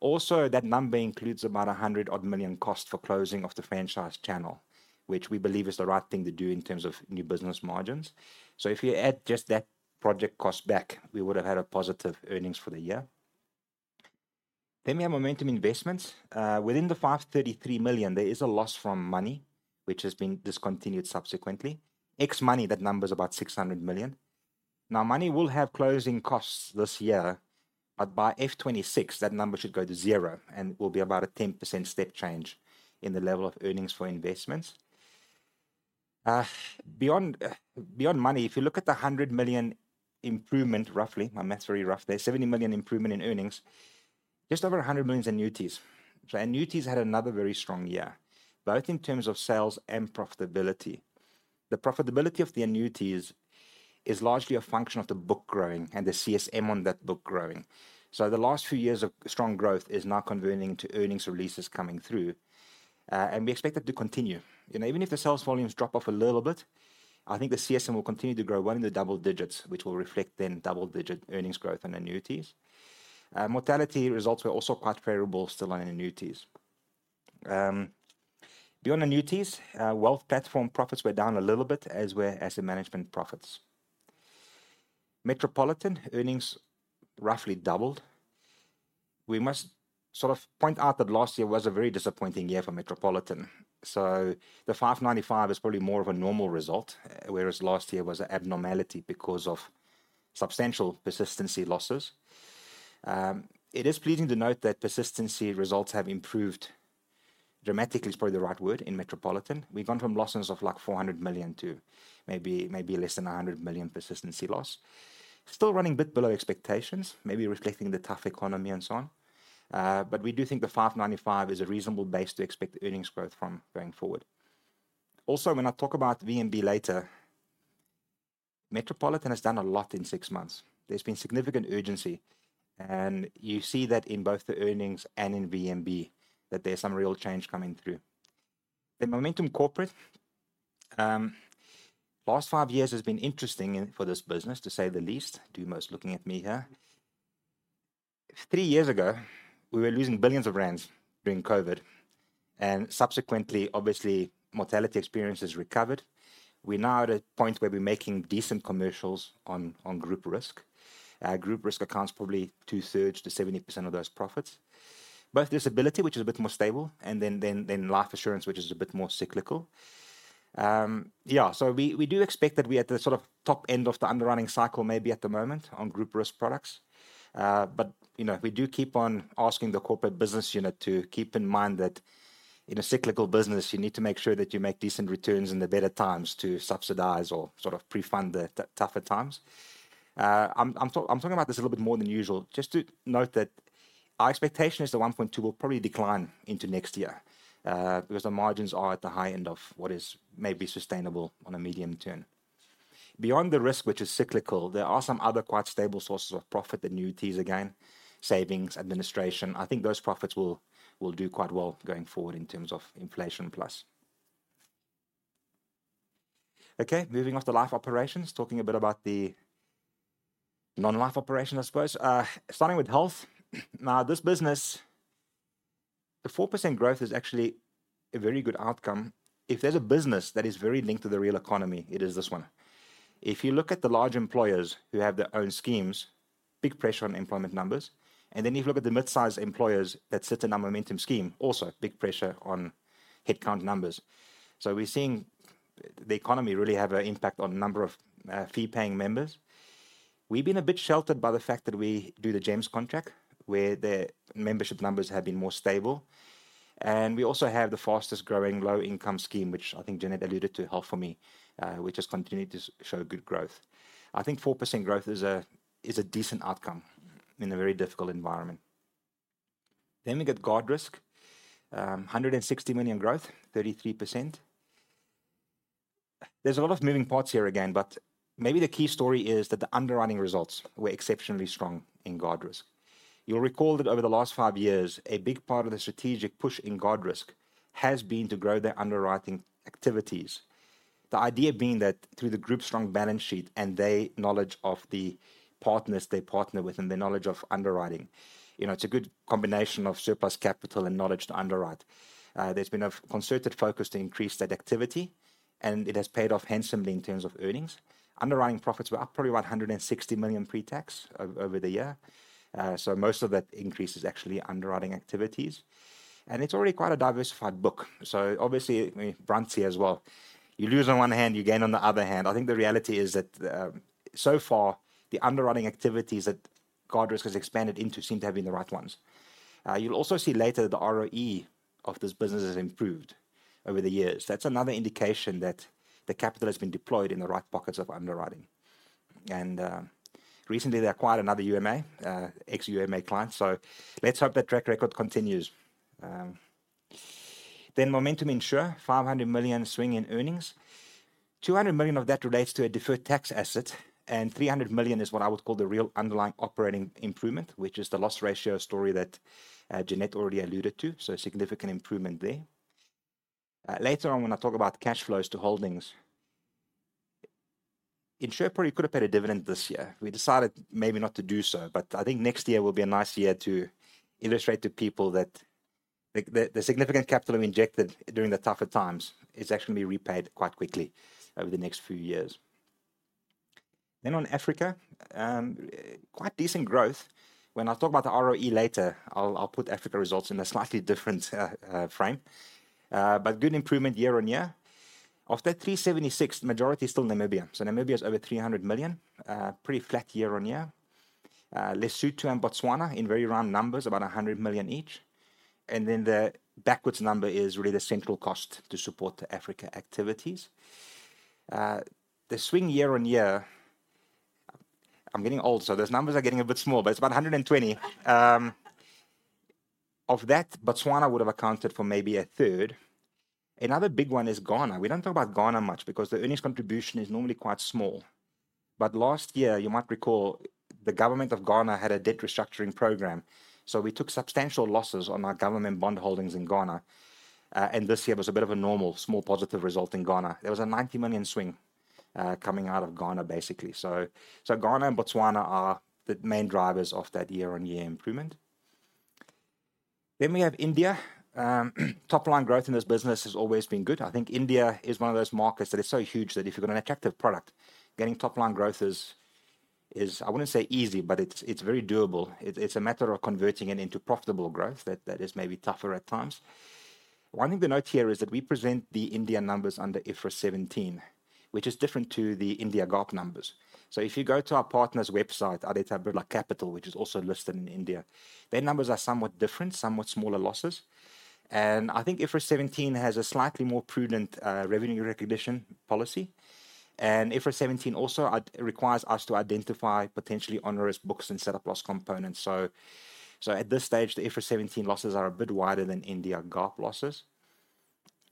Also, that number includes about a 100 odd million cost for closing of the franchise channel, which we believe is the right thing to do in terms of new business margins. So if you add just that project cost back, we would have had a positive earnings for the year. Then we have Momentum Investments. Within the 533 million, there is a loss from Money, which has been discontinued subsequently. Ex Money, that number is about 600 million. Now, Money will have closing costs this year, but by FY 2026, that number should go to zero and will be about a 10% step change in the level of earnings for investments. Beyond Money, if you look at the 100 million improvement, roughly, my math's very rough there, 70 million improvement in earnings, just over 100 million is annuities. So annuities had another very strong year, both in terms of sales and profitability. The profitability of the annuities is largely a function of the book growing and the CSM on that book growing. So the last few years of strong growth is now converting to earnings releases coming through, and we expect that to continue. You know, even if the sales volumes drop off a little bit, I think the CSM will continue to grow well in the double digits, which will reflect then double-digit earnings growth in annuities. Mortality results were also quite favorable still on annuities. Beyond annuities, wealth platform profits were down a little bit, as were asset management profits. Metropolitan earnings roughly doubled. We must sort of point out that last year was a very disappointing year for Metropolitan, so the 595 million is probably more of a normal result, whereas last year was an abnormality because of substantial persistency losses. It is pleasing to note that persistency results have improved, dramatically is probably the right word, in Metropolitan. We've gone from losses of like 400 million to maybe less than 100 million persistency loss. Still running a bit below expectations, maybe reflecting the tough economy and so on. But we do think the 595 is a reasonable base to expect earnings growth from going forward. Also, when I talk about VNB later, Metropolitan has done a lot in six months. There's been significant urgency, and you see that in both the earnings and in VNB, that there's some real change coming through. Then Momentum Corporate, last five years has been interesting in, for this business, to say the least. Dumo is looking at me here. Three years ago, we were losing billions of ZAR during COVID, and subsequently, obviously, mortality experience has recovered. We're now at a point where we're making decent commercials on, on group risk. Group risk accounts probably 2/3 to 70% of those profits. Both disability, which is a bit more stable, and then life assurance, which is a bit more cyclical. Yeah, so we do expect that we're at the sort of top end of the underwriting cycle, maybe at the moment on group risk products, but, you know, we do keep on asking the corporate business unit to keep in mind that in a cyclical business, you need to make sure that you make decent returns in the better times to subsidize or sort of pre-fund the tougher times. I'm talking about this a little bit more than usual, just to note that our expectation is the one point two will probably decline into next year, because the margins are at the high end of what is maybe sustainable on a medium term. Beyond the risk, which is cyclical, there are some other quite stable sources of profit, annuities, again, savings, administration. I think those profits will do quite well going forward in terms of inflation plus. Okay, moving on to life operations, talking a bit about the non-life operations, I suppose. Starting with health. Now, this business, the 4% growth is actually a very good outcome. If there's a business that is very linked to the real economy, it is this one. If you look at the large employers who have their own schemes, big pressure on employment numbers, and then if you look at the mid-sized employers that sit in our Momentum scheme, also big pressure on headcount numbers. So we're seeing the economy really have an impact on number of fee-paying members. We've been a bit sheltered by the fact that we do the GEMS contract, where the membership numbers have been more stable, and we also have the fastest growing low-income scheme, which I think Jeanette alluded to, Health4Me, which has continued to show good growth. I think 4% growth is a decent outcome in a very difficult environment, then we get Guardrisk, 160 million growth, 33%. There's a lot of moving parts here again, but maybe the key story is that the underwriting results were exceptionally strong in Guardrisk. You'll recall that over the last five years, a big part of the strategic push in Guardrisk has been to grow their underwriting activities. The idea being that through the group's strong balance sheet and their knowledge of the partners they partner with and their knowledge of underwriting, you know, it's a good combination of surplus capital and knowledge to underwrite. There's been a concerted focus to increase that activity, and it has paid off handsomely in terms of earnings. Underwriting profits were up probably 160 million pre-tax over the year. So most of that increase is actually underwriting activities, and it's already quite a diversified book. So obviously, I mean, Brandt as well. You lose on one hand, you gain on the other hand. I think the reality is that, so far, the underwriting activities that Guardrisk has expanded into seem to have been the right ones. You'll also see later, the ROE of this business has improved over the years. That's another indication that the capital has been deployed in the right pockets of underwriting, and recently, they acquired another UMA, ex-UMA client, so let's hope that track record continues, then Momentum Insure, 500 million swing in earnings, 200 million of that relates to a deferred tax asset, and 300 million is what I would call the real underlying operating improvement, which is the loss ratio story that, Jeanette already alluded to, so a significant improvement there. Later on, when I talk about cash flows to holdings, Insure probably could have paid a dividend this year. We decided maybe not to do so, but I think next year will be a nice year to illustrate to people that the significant capital we injected during the tougher times is actually going to be repaid quite quickly over the next few years. On Africa, quite decent growth. When I talk about the ROE later, I'll put Africa results in a slightly different frame, but good improvement year on year. Of that 376 million, the majority is still Namibia. So Namibia is over 300 million, pretty flat year-on-year. Lesotho and Botswana, in very round numbers, about 100 million each. And then the backwards number is really the central cost to support the Africa activities. The swing year on year. I'm getting old, so those numbers are getting a bit small, but it's about 120 million. Of that, Botswana would have accounted for maybe 1/3. Another big one is Ghana. We don't talk about Ghana much because the earnings contribution is normally quite small. But last year, you might recall, the government of Ghana had a debt restructuring program, so we took substantial losses on our government bond holdings in Ghana. And this year was a bit of a normal, small, positive result in Ghana. There was a 90 million swing coming out of Ghana, basically. So Ghana and Botswana are the main drivers of that year-on-year improvement. Then we have India. Top-line growth in this business has always been good. I think India is one of those markets that is so huge that if you've got an attractive product, getting top-line growth is I wouldn't say easy, but it's very doable. It's a matter of converting it into profitable growth that is maybe tougher at times. One thing to note here is that we present the India numbers under IFRS 17, which is different to the India GAAP numbers. So if you go to our partners' website, Aditya Birla Capital, which is also listed in India, their numbers are somewhat different, somewhat smaller losses. I think IFRS 17 has a slightly more prudent, revenue recognition policy. IFRS 17 also requires us to identify potentially onerous books and set up loss components. So at this stage, the IFRS 17 losses are a bit wider than India GAAP losses.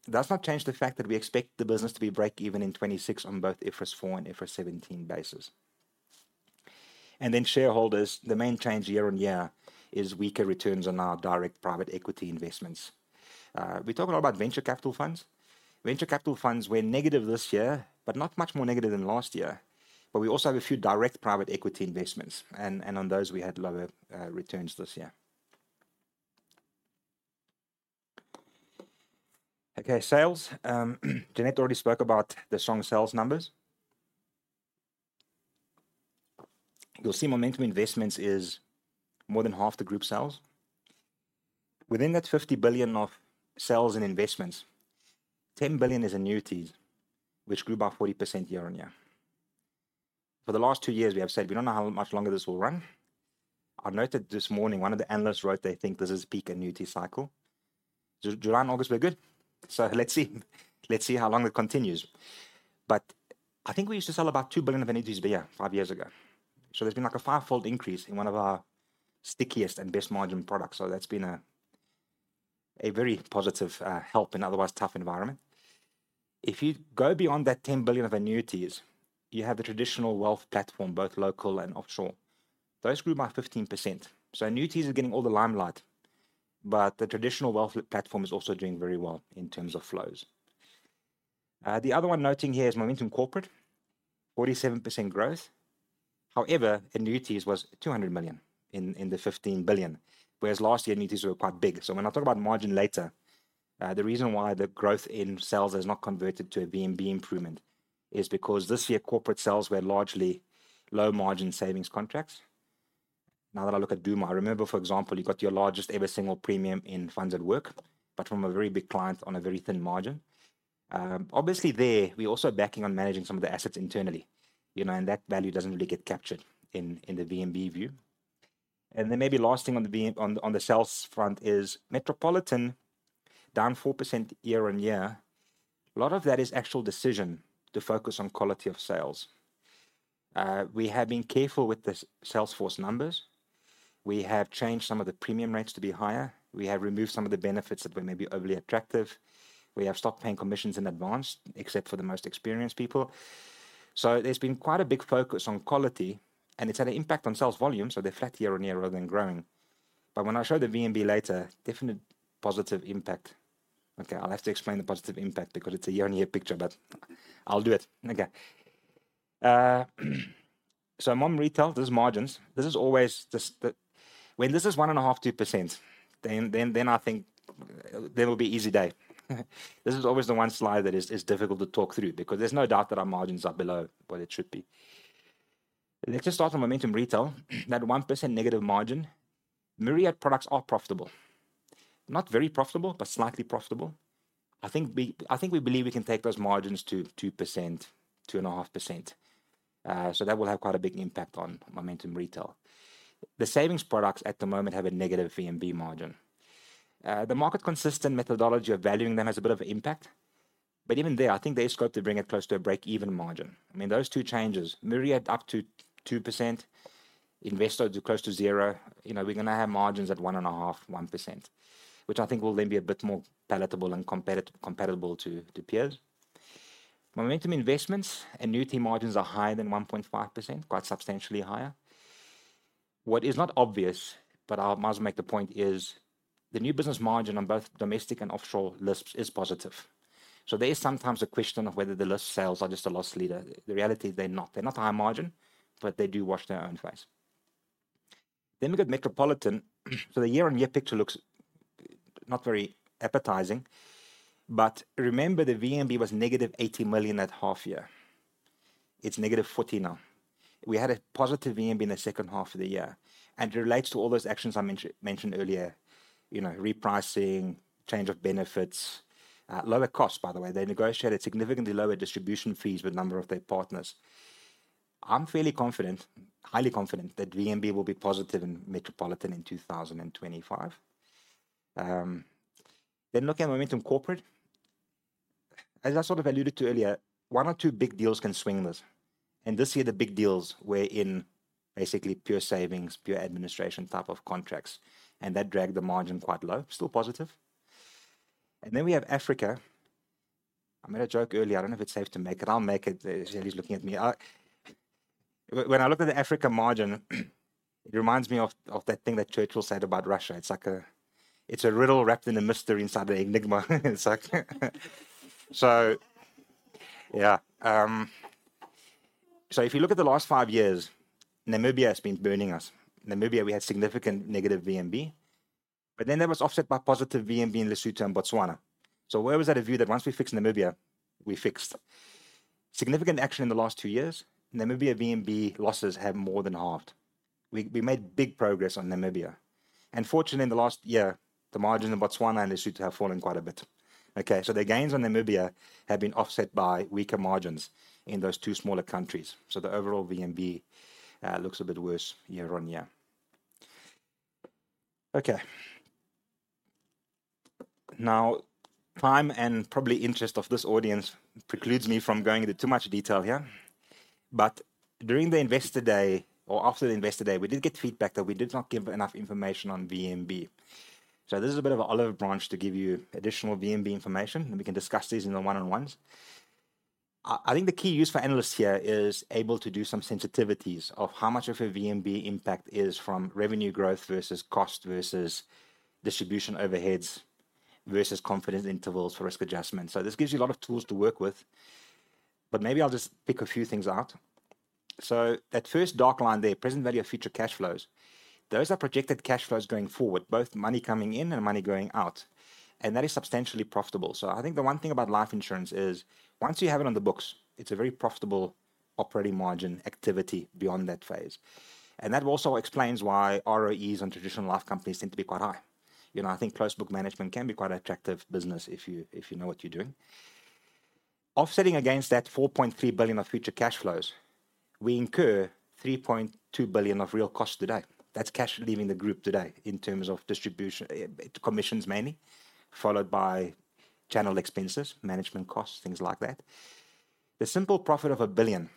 It does not change the fact that we expect the business to be break-even in 2026 on both IFRS 4 and IFRS 17 basis. Then shareholders, the main change year-on-year is weaker returns on our direct private equity investments. We talk a lot about venture capital funds. Venture capital funds were negative this year, but not much more negative than last year. But we also have a few direct private equity investments, and on those, we had lower returns this year. Okay, sales. Jeanette already spoke about the strong sales numbers. You'll see Momentum Investments is more than half the group sales. Within that 50 billion of sales and investments, 10 billion is annuities, which grew by 40% year-on-year. For the last two years, we have said we don't know how much longer this will run. I noted this morning, one of the analysts wrote they think this is peak annuity cycle. July and August were good, so let's see how long it continues. But I think we used to sell about 2 billion of annuities a year, five years ago. There's been, like, a fivefold increase in one of our stickiest and best margin products. That's been a very positive help in an otherwise tough environment. If you go beyond that 10 billion of annuities, you have the traditional wealth platform, both local and offshore. Those grew by 15%. Annuities are getting all the limelight, but the traditional wealth platform is also doing very well in terms of flows. The other one noting here is Momentum Corporate, 47% growth. However, annuities was 200 million in the 15 billion, whereas last year, annuities were quite big. When I talk about margin later, the reason why the growth in sales has not converted to a VNB improvement is because this year corporate sales were largely low margin savings contracts. Now that I look at Dumo, I remember, for example, you got your largest ever single premium in FundsAtWork, but from a very big client on a very thin margin. Obviously, there, we're also backing on managing some of the assets internally, you know, and that value doesn't really get captured in the VNB view. Then maybe last thing on the VNB. On the sales front is Metropolitan, down 4% year-on-year. A lot of that is actual decision to focus on quality of sales. We have been careful with the salesforce numbers. We have changed some of the premium rates to be higher. We have removed some of the benefits that were maybe overly attractive. We have stopped paying commissions in advance, except for the most experienced people. So there's been quite a big focus on quality, and it's had an impact on sales volume, so they're flat year-on-year rather than growing. But when I show the VNB later, definite positive impact. Okay, I'll have to explain the positive impact because it's a year-on-year picture, but I'll do it. Okay. So I'm on retail. This is margins. This is always the. When this is 1.5%-2%, then I think it'll be easy day. This is always the one slide that is difficult to talk through because there's no doubt that our margins are below what it should be. Let's just start on Momentum Retail. That 1% negative margin, Myriad products are profitable. Not very profitable, but slightly profitable. I think we believe we can take those margins to 2%-2.5%. So that will have quite a big impact on Momentum Retail. The savings products at the moment have a negative VNB margin. The market consistent methodology of valuing them has a bit of an impact, but even there, I think there's scope to bring it close to a break-even margin. I mean, those two changes, Myriad up to 2%, Investo to close to zero. You know, we're gonna have margins at 1.5%-1%, which I think will then be a bit more palatable and competitive, comparable to peers. Momentum Investments, annuity margins are higher than 1.5%, quite substantially higher. What is not obvious, but I must make the point, is the new business margin on both domestic and offshore life sales is positive. So there is sometimes a question of whether the life sales are just a loss leader. The reality is they're not. They're not high margin, but they do wash their own face. Then we look at Metropolitan. So the year-on-year picture looks not very appetizing, but remember, the VNB was -80 million at half-year. It's -40 million now. We had a positive VNB in the second half of the year, and it relates to all those actions I mentioned earlier, you know, repricing, change of benefits, lower costs, by the way. They negotiated significantly lower distribution fees with a number of their partners. I'm fairly confident, highly confident, that VNB will be positive in Metropolitan in 2025. Then looking at Momentum Corporate, as I sort of alluded to earlier, one or two big deals can swing this, and this year the big deals were in basically pure savings, pure administration type of contracts, and that dragged the margin quite low, still positive. And then we have Africa. I made a joke earlier. I don't know if it's safe to make, but I'll make it. Jeanette's looking at me. When I look at the Africa margin, it reminds me of that thing that Churchill said about Russia. It's like a... It's a riddle wrapped in a mystery inside an enigma. It's like... So yeah. So if you look at the last five years, Namibia has been burning us. Namibia, we had significant negative VNB, but then that was offset by positive VNB in Lesotho and Botswana. So where was that a view that once we fixed Namibia, we fixed. Significant action in the last two years, Namibia VNB losses have more than halved. We made big progress on Namibia, and fortunately, in the last year, the margin in Botswana and Lesotho have fallen quite a bit. Okay, so the gains on Namibia have been offset by weaker margins in those two smaller countries, so the overall VNB looks a bit worse year-on-year. Okay. Now, time and probably interest of this audience precludes me from going into too much detail here. But during the investor day, or after the investor day, we did get feedback that we did not give enough information on VNB. So this is a bit of an olive branch to give you additional VNB information, and we can discuss these in the one-on-ones. I think the key use for analysts here is able to do some sensitivities of how much of a VNB impact is from revenue growth versus cost, versus distribution overheads, versus confidence intervals for risk adjustment. So this gives you a lot of tools to work with, but maybe I'll just pick a few things out. So that first dark line there, present value of future cash flows, those are projected cash flows going forward, both money coming in and money going out, and that is substantially profitable. So I think the one thing about life insurance is, once you have it on the books, it's a very profitable operating margin activity beyond that phase. And that also explains why ROEs on traditional life companies tend to be quite high. You know, I think closed book management can be quite attractive business if you know what you're doing. Offsetting against that 4.3 billion of future cash flows, we incur 3.2 billion of real costs today. That's cash leaving the group today in terms of distribution commissions mainly, followed by channel expenses, management costs, things like that. The simple profit of 1 billion,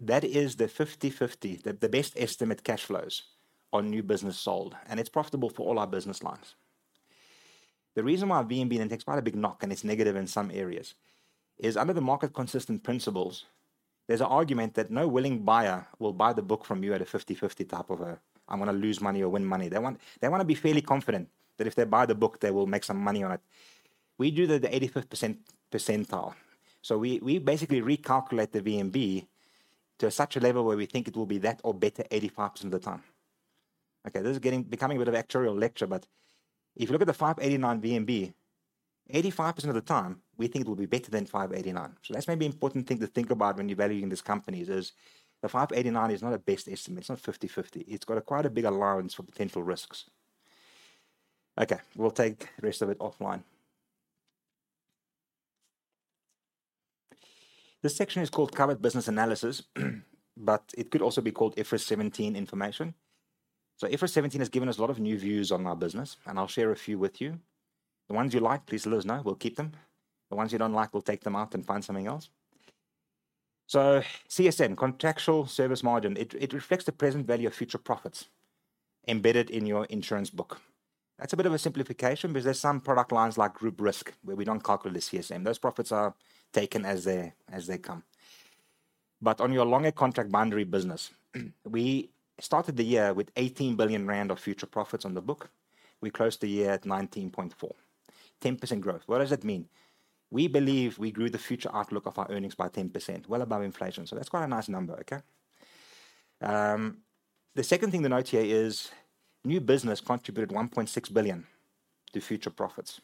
that is the 50-50, the best estimate cash flows on new business sold, and it's profitable for all our business lines. The reason why VNB takes quite a big knock, and it's negative in some areas, is under the market-consistent principles, there's an argument that no willing buyer will buy the book from you at a 50-50 type of a, "I'm gonna lose money or win money." They want. They wanna be fairly confident that if they buy the book, they will make some money on it. We do the 85th percentile. So we basically recalculate the VNB to such a level where we think it will be that or better 85% of the time. Okay, this is getting becoming a bit of actuarial lecture, but if you look at the 589 VNB, 85% of the time, we think it will be better than 589. That's maybe an important thing to think about when you're valuing these companies is the 589 is not a best estimate. It's not 50-50. It's got quite a big allowance for potential risks. Okay, we'll take the rest of it offline. This section is called covered business analysis, but it could also be called IFRS 17 information. IFRS 17 has given us a lot of new views on our business, and I'll share a few with you. The ones you like, please let us know. We'll keep them. The ones you don't like, we'll take them out and find something else. CSM, contractual service margin, it reflects the present value of future profits embedded in your insurance book. That's a bit of a simplification because there's some product lines like group risk, where we don't calculate the CSM. Those profits are taken as they come. But on your longer contract boundary business, we started the year with 18 billion rand of future profits on the book. We closed the year at 19.4 billion, 10% growth. What does that mean? We believe we grew the future outlook of our earnings by 10%, well above inflation, so that's quite a nice number, okay? The second thing to note here is new business contributed 1.6 billion to future profits.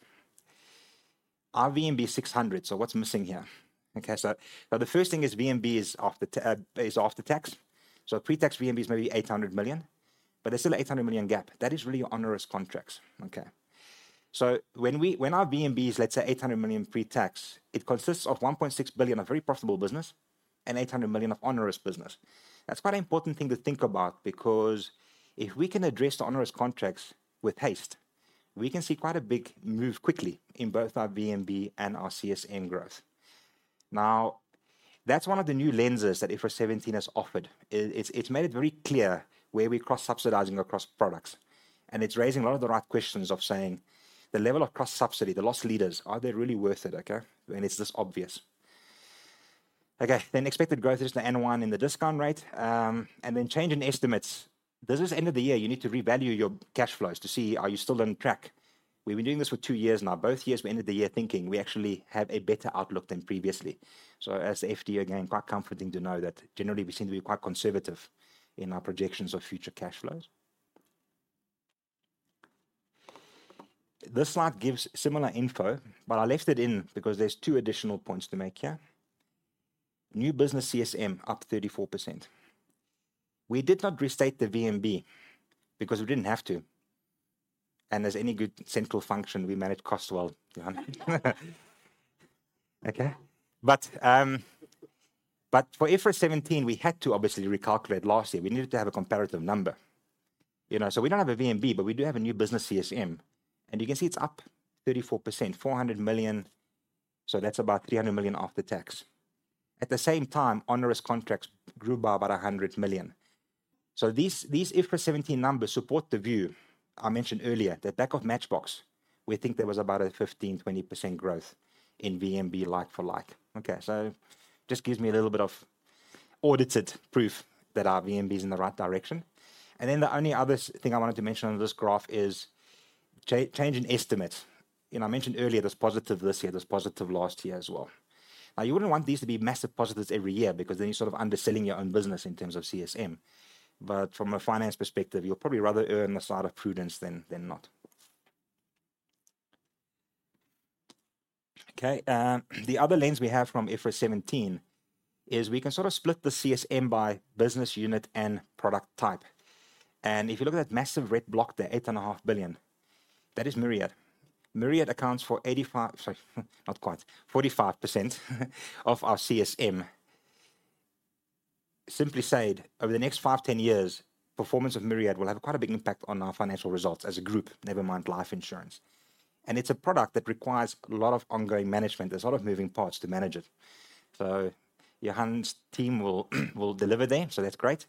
Our VNB is 600, so what's missing here? Okay, so the first thing is VNB is after tax. So pre-tax VNB is maybe 800 million, but there's still an 800 million gap. That is really onerous contracts, okay? When our VNB is, let's say, 800 million pre-tax, it consists of 1.6 billion of very profitable business and 800 million of onerous business. That's quite an important thing to think about because if we can address the onerous contracts with haste, we can see quite a big move quickly in both our VNB and our CSM growth. Now, that's one of the new lenses that IFRS 17 has offered. It's made it very clear where we're cross-subsidizing across products, and it's raising a lot of the right questions of saying, the level of cross-subsidy, the loss leaders, are they really worth it, okay? When it's this obvious. Okay, then expected growth is the N one in the discount rate, and then change in estimates. This is end of the year. You need to revalue your cash flows to see, are you still on track? We've been doing this for two years now. Both years, we ended the year thinking we actually have a better outlook than previously. So as FD, again, quite comforting to know that generally, we seem to be quite conservative in our projections of future cash flows. This slide gives similar info, but I left it in because there are two additional points to make here. New business CSM up 34%. We did not restate the VNB because we didn't have to, and as any good central function, we manage costs well. Okay? But for IFRS 17, we had to obviously recalculate last year. We needed to have a comparative number. You know, so we don't have a VNB, but we do have a new business CSM, and you can see it's up 34%, 400 million, so that's about 300 million after tax. At the same time, onerous contracts grew by about 100 million. So these IFRS 17 numbers support the view I mentioned earlier, the back of matchbox. We think there was about a 15%-20% growth in VNB like for like. Okay, so just gives me a little bit of audited proof that our VNB is in the right direction. And then the only other thing I wanted to mention on this graph is change in estimate. You know, I mentioned earlier, there's positive this year, there's positive last year as well. Now, you wouldn't want these to be massive positives every year because then you're sort of underselling your own business in terms of CSM. But from a finance perspective, you'll probably rather earn a side of prudence than not. Okay, the other lens we have from IFRS 17 is we can sort of split the CSM by business unit and product type. And if you look at that massive red block there, 8.5 billion, that is Myriad. Myriad accounts for 85- sorry, not quite, 45% of our CSM. Simply said, over the next 5, 10 years, performance of Myriad will have quite a big impact on our financial results as a group, never mind life insurance. And it's a product that requires a lot of ongoing management. There's a lot of moving parts to manage it. Johann's team will deliver there, so that's great.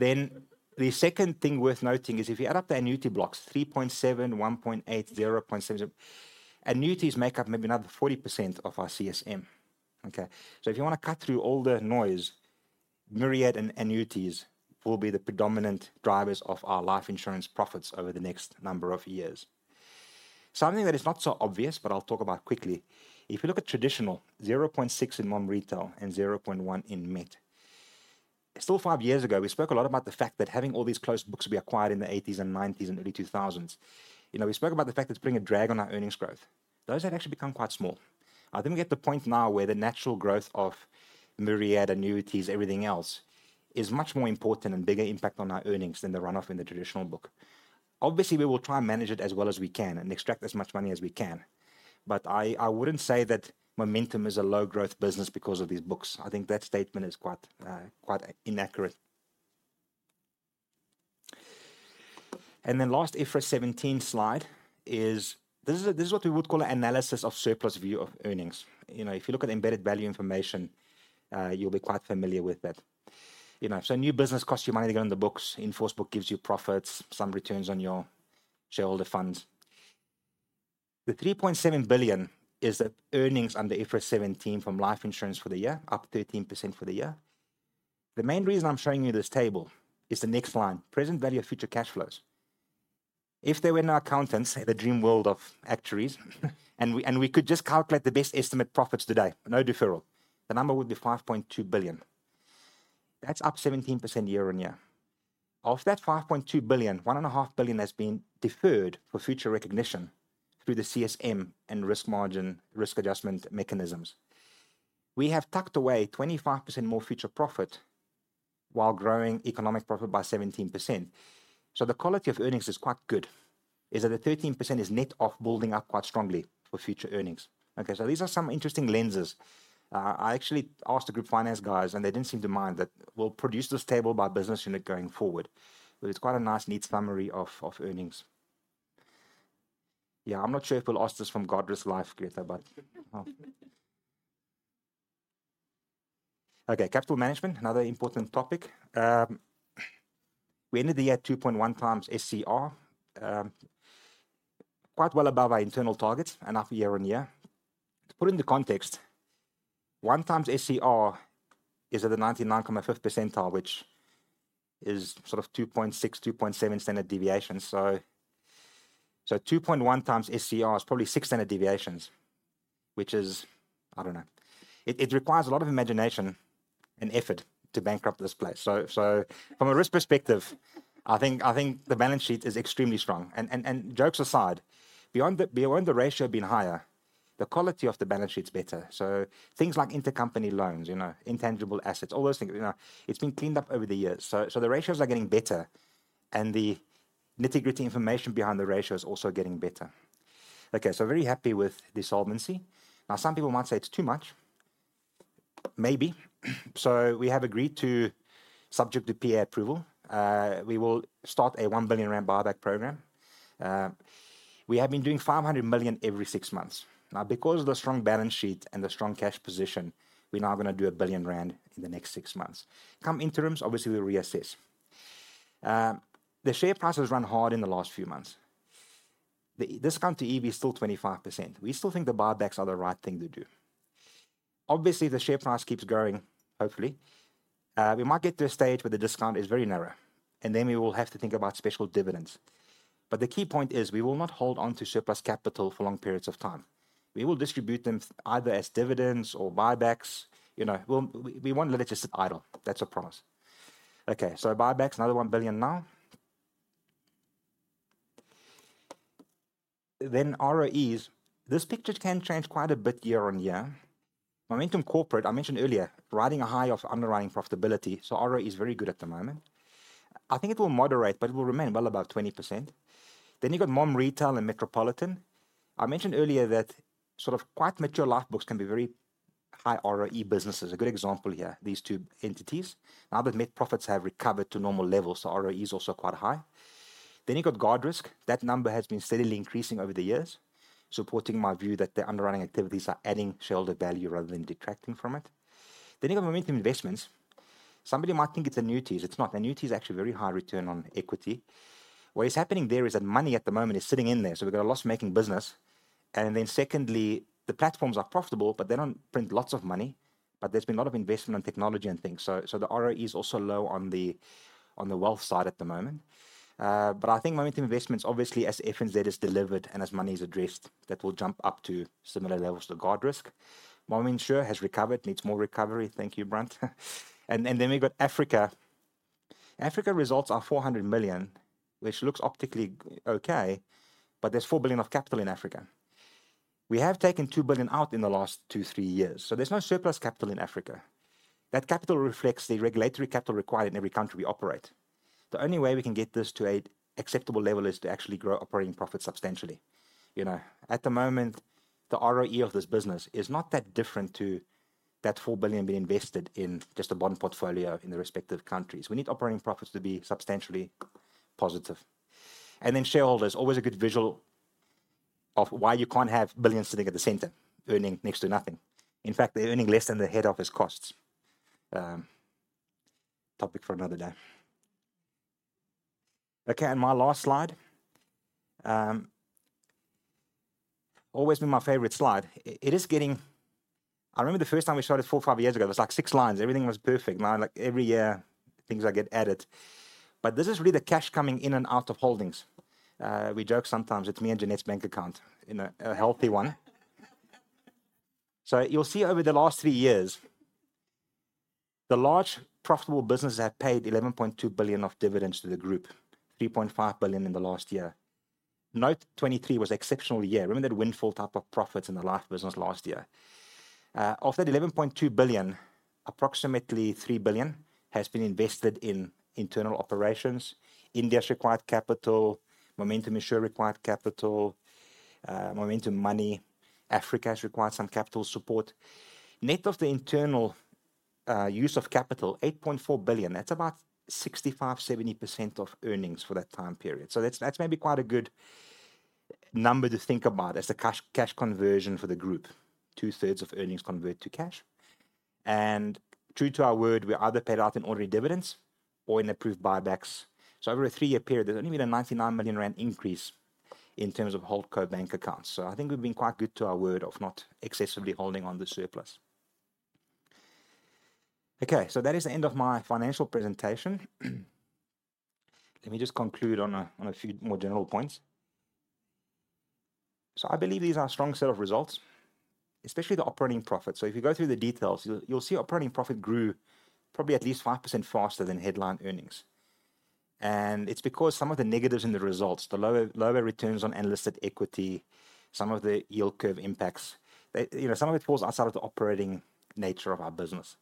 Then the second thing worth noting is, if you add up the annuity blocks, 3.7, 1.8, 0.7. Annuities make up maybe another 40% of our CSM. If you wanna cut through all the noise, Myriad and annuities will be the predominant drivers of our life insurance profits over the next number of years. Something that is not so obvious, but I'll talk about quickly. If you look at traditional, 0.6 in Momentum Retail and 0.1 in Metropolitan. Still, five years ago, we spoke a lot about the fact that having all these closed books we acquired in the 1980s and 1990s and early 2000s. You know, we spoke about the fact it's putting a drag on our earnings growth. Those have actually become quite small. I think we're at the point now where the natural growth of Myriad annuities, everything else, is much more important and bigger impact on our earnings than the run-off in the traditional book. Obviously, we will try and manage it as well as we can and extract as much money as we can, but I wouldn't say that Momentum is a low-growth business because of these books. I think that statement is quite, quite inaccurate. Then last IFRS 17 slide is, this is what we would call an analysis of surplus view of earnings. You know, if you look at embedded value information, you'll be quite familiar with that. You know, so new business costs you money to get on the books. In-force book gives you profits, some returns on your shareholder funds. The 3.7 billion is the earnings under IFRS 17 from life insurance for the year, up 13% for the year. The main reason I'm showing you this table is the next line, present value of future cash flows. If there were no accountants, the dream world of actuaries, and we, and we could just calculate the best estimate profits today, no deferral, the number would be 5.2 billion. That's up 17% year-on-year. Of that 5.2 billion, 1.5 billion has been deferred for future recognition through the CSM and risk margin, risk adjustment mechanisms. We have tucked away 25% more future profit while growing economic profit by 17%. So the quality of earnings is quite good, is that the 13% is net of building up quite strongly for future earnings. Okay, so these are some interesting lenses. I actually asked the group finance guys, and they didn't seem to mind, that we'll produce this table by business unit going forward. But it's quite a nice, neat summary of earnings. Yeah, I'm not sure if we'll ask this from Guardrisk Life, Greta, but. Okay, capital management, another important topic. We ended the year at two point one times SCR, quite well above our internal targets and up year-on-year. To put it into context, one times SCR is at the 99.5th percentile, which is sort of 2.6-2.7 standard deviations. So 2.1x SCR is probably six standard deviations, which is, I don't know. It requires a lot of imagination and effort to bankrupt this place. From a risk perspective, I think the balance sheet is extremely strong. Jokes aside, beyond the ratio being higher, the quality of the balance sheet's better. Things like intercompany loans, you know, intangible assets, all those things, you know, it's been cleaned up over the years. The ratios are getting better, and the nitty-gritty information behind the ratio is also getting better. Okay, very happy with the solvency. Now, some people might say it's too much. Maybe. We have agreed to, subject to PA approval, we will start a 1 billion rand buyback program. We have been doing 500 million every six months. Now, because of the strong balance sheet and the strong cash position, we're now gonna do 1 billion rand in the next six months. Come interims, obviously, we'll reassess. The share price has run hard in the last few months. The discount to EV is still 25%. We still think the buybacks are the right thing to do. Obviously, the share price keeps growing, hopefully. We might get to a stage where the discount is very narrow, and then we will have to think about special dividends. But the key point is, we will not hold on to surplus capital for long periods of time. We will distribute them either as dividends or buybacks. You know, we'll, we won't let it just sit idle. That's a promise. Okay, so buybacks, another 1 billion now. Then ROEs. This picture can change quite a bit year-on-year. Momentum Corporate, I mentioned earlier, riding a high of underwriting profitability, so ROE is very good at the moment. I think it will moderate, but it will remain well above 20%. Then you've got Momentum Retail and Metropolitan. I mentioned earlier that sort of quite mature life books can be very high ROE businesses. A good example here, these two entities. Now that Met profits have recovered to normal levels, so ROE is also quite high. Then you've got Guardrisk. That number has been steadily increasing over the years, supporting my view that the underwriting activities are adding shareholder value rather than detracting from it. Then you got Momentum Investments. Somebody might think it's annuities. It's not. Annuities are actually a very high return on equity. What is happening there is that money at the moment is sitting in there, so we've got a loss-making business. And then secondly, the platforms are profitable, but they don't print lots of money, but there's been a lot of investment in technology and things. So, the ROE is also low on the, on the wealth side at the moment. But I think Momentum Investments, obviously, as FNZ is delivered and as money is addressed, that will jump up to similar levels to Guardrisk. Momentum Insure has recovered, needs more recovery. Thank you, Brandt. Then we've got Africa. Africa results are 400 million, which looks optically okay, but there's 4 billion of capital in Africa. We have taken 2 billion out in the last two, three years, so there's no surplus capital in Africa. That capital reflects the regulatory capital required in every country we operate. The only way we can get this to an acceptable level is to actually grow operating profit substantially. You know, at the moment the ROE of this business is not that different to that 4 billion being invested in just a bond portfolio in the respective countries. We need operating profits to be substantially positive. And then shareholders, always a good visual of why you can't have billions sitting at the center earning next to nothing. In fact, they're earning less than the head office costs. Topic for another day. Okay, and my last slide, always been my favorite slide. It is getting. I remember the first time we showed it four, five years ago, it was like six lines. Everything was perfect. Now, like, every year, things get added. But this is really the cash coming in and out of holdings. We joke sometimes, it's me and Jeanette's bank account, you know, a healthy one. So you'll see over the last three years, the large profitable businesses have paid 11.2 billion of dividends to the group, 3.5 billion in the last year. Note, 2023 was exceptional year. Remember that windfall type of profits in the life business last year. Of that 11.2 billion, approximately 3 billion has been invested in internal operations, India's required capital, Momentum Insure required capital, Momentum Money. Africa has required some capital support. Net of the internal use of capital, 8.4 billion, that's about 65%-70% of earnings for that time period. So that's, that's maybe quite a good number to think about as the cash, cash conversion for the group, 2/3 of earnings convert to cash. And true to our word, we either paid out in ordinary dividends or in approved buybacks. So over a three-year period, there's only been a 99 million rand increase in terms of Holdco bank accounts. So I think we've been quite good to our word of not excessively holding on to surplus. Okay, so that is the end of my financial presentation. Let me just conclude on a few more general points. So I believe these are a strong set of results, especially the operating profit. So if you go through the details, you'll see operating profit grew probably at least 5% faster than headline earnings. And it's because some of the negatives in the results, the lower returns on listed equity, some of the yield curve impacts, they, you know, some of it falls outside of the operating nature of our business.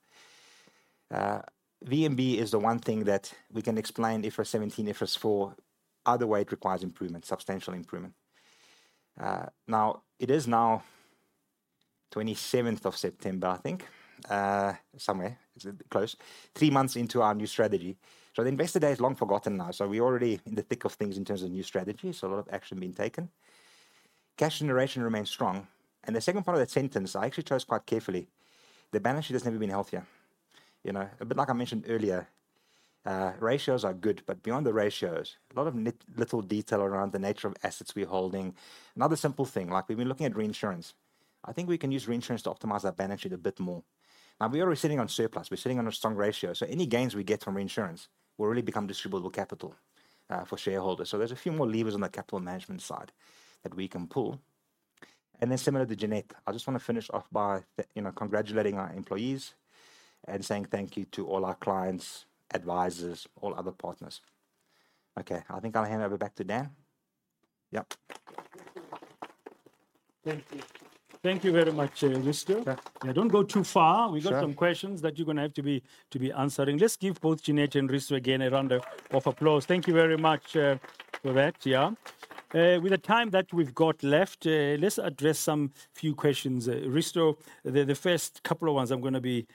VNB is the one thing that we can explain, IFRS 17, IFRS 4. Either way, it requires improvement, substantial improvement. Now, it is now September 27th, I think, somewhere, it's close. Three months into our new strategy. The investor day is long forgotten now, so we're already in the thick of things in terms of new strategy. A lot of action being taken. Cash generation remains strong. The second part of that sentence, I actually chose quite carefully. The balance sheet has never been healthier. You know, a bit like I mentioned earlier, ratios are good, but beyond the ratios, a lot of little detail around the nature of assets we're holding. Another simple thing, like we've been looking at reinsurance. I think we can use reinsurance to optimize our balance sheet a bit more. Now, we are already sitting on surplus. We're sitting on a strong ratio, so any gains we get from reinsurance will really become distributable capital for shareholders. So there's a few more levers on the capital management side that we can pull. And then similar to Jeanette, I just want to finish off by you know, congratulating our employees and saying thank you to all our clients, advisors, all other partners. Okay, I think I'll hand over back to Dan. Yeah.
Thank you. Thank you very much, Risto.
Yeah.
Now, don't go too far.
Sure.
We've got some questions that you're gonna have to be answering. Let's give both Jeanette and Risto again a round of applause. Thank you very much for that, yeah. With the time that we've got left, let's address some few questions. Risto, the first couple of ones I'm gonna be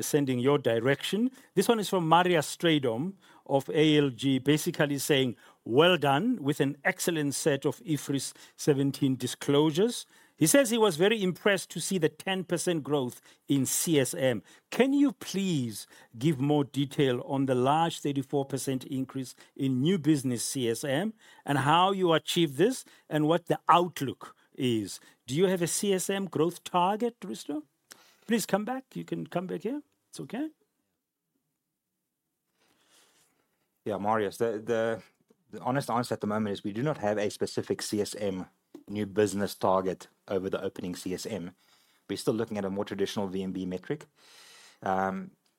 sending your direction. This one is from Marius Strijdom of ALG, basically saying, "Well done with an excellent set of IFRS 17 disclosures." He says he was very impressed to see the 10% growth in CSM. Can you please give more detail on the large 34% increase in new business CSM, and how you achieved this, and what the outlook is? Do you have a CSM growth target, Risto? Please come back. You can come back here. It's okay.
Yeah, Marius, the honest answer at the moment is we do not have a specific CSM new business target over the opening CSM. We're still looking at a more traditional VNB metric.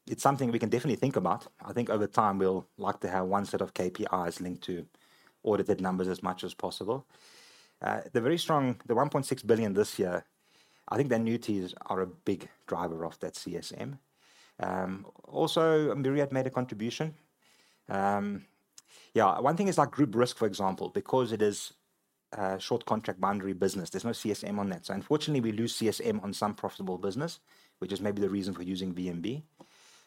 It's something we can definitely think about. I think over time, we'll like to have one set of KPIs linked to audited numbers as much as possible. The very strong 1.6 billion this year, I think the annuities are a big driver of that CSM. Also, Myriad made a contribution. Yeah, one thing is like group risk, for example, because it is a short contract boundary business, there's no CSM on that. So unfortunately, we lose CSM on some profitable business, which is maybe the reason for using VNB.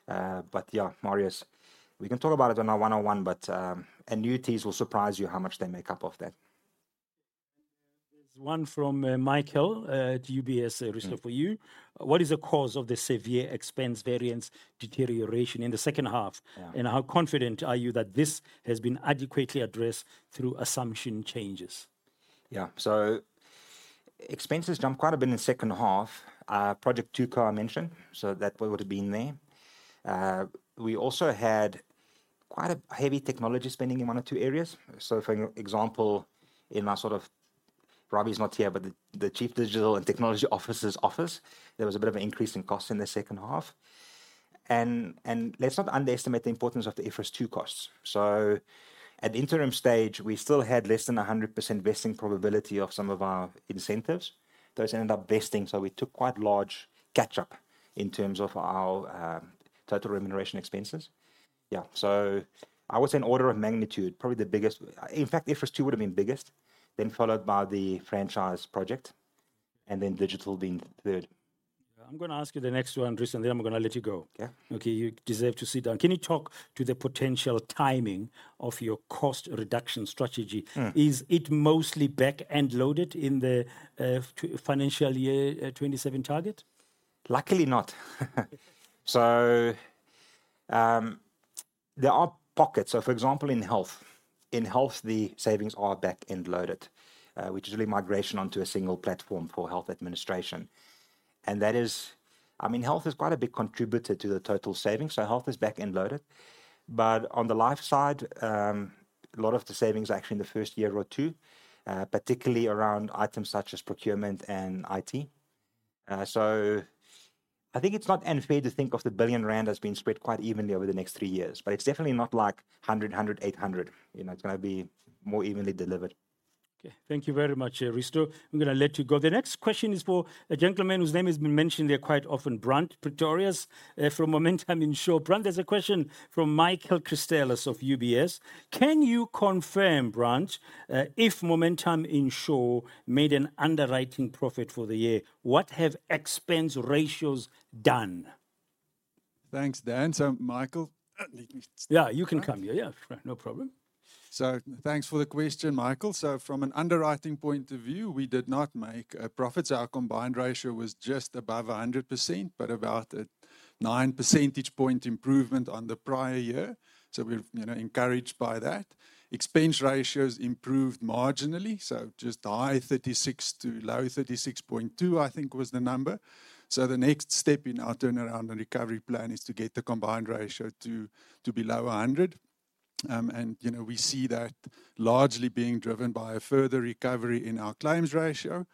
But yeah, Marius, we can talk about it on our one-on-one, but annuities will surprise you how much they make up of that.
There's one from Michael at UBS, Risto, for you. What is the cause of the severe expense variance deterioration in the second half And how confident are you that this has been adequately addressed through assumption changes?
Yeah, so expenses jumped quite a bit in the second half. Project Two-Pot I mentioned, so that would've been there. We also had quite a heavy technology spending in one or two areas. So for example, in our sort of... Robbie's not here, but the Chief Digital and Technology Officer's office, there was a bit of an increase in cost in the second half. And let's not underestimate the importance of the IFRS 2 costs. So at the interim stage, we still had less than 100% vesting probability of some of our incentives. Those ended up vesting, so we took quite large catch-up in terms of our total remuneration expenses. Yeah, so I would say in order of magnitude, probably the biggest. In fact, IFRS 2 would have been biggest, then followed by the franchise project, and then digital being third.
I'm gonna ask you the next one, Risto, and then I'm gonna let you go. Okay, you deserve to sit down. Can you talk to the potential timing of your cost reduction strategy? Is it mostly back-end loaded in the financial year 2027 target?
Luckily not. There are pockets. For example, in health. In health, the savings are back-end loaded, which is really migration onto a single platform for health administration, and that is. I mean, health is quite a big contributor to the total savings, so health is back-end loaded. But on the life side, a lot of the savings are actually in the first year or two, particularly around items such as procurement and IT. So, I think it's not unfair to think of the 1 billion rand as being spread quite evenly over the next three years, but it's definitely not like 100, 800. You know, it's gonna be more evenly delivered.
Okay, thank you very much, Risto. I'm gonna let you go. The next question is for a gentleman whose name has been mentioned there quite often, Brandt Pretorius, from Momentum Insure. Brandt, there's a question from Michael Christelis of UBS. Can you confirm, Brandt, if Momentum Insure made an underwriting profit for the year? What have expense ratios done?
Thanks, Dan. So Michael, let me-
Yeah, you can come here. Yeah, no problem.
So thanks for the question, Michael. So from an underwriting point of view, we did not make a profit, so our combined ratio was just above 100%, but about a nine percentage point improvement on the prior year, so we're, you know, encouraged by that. Expense ratios improved marginally, so just high 36% to low 36.2%, I think, was the number. So the next step in our turnaround and recovery plan is to get the combined ratio to below 100. And, you know, we see that largely being driven by a further recovery in our claims ratio.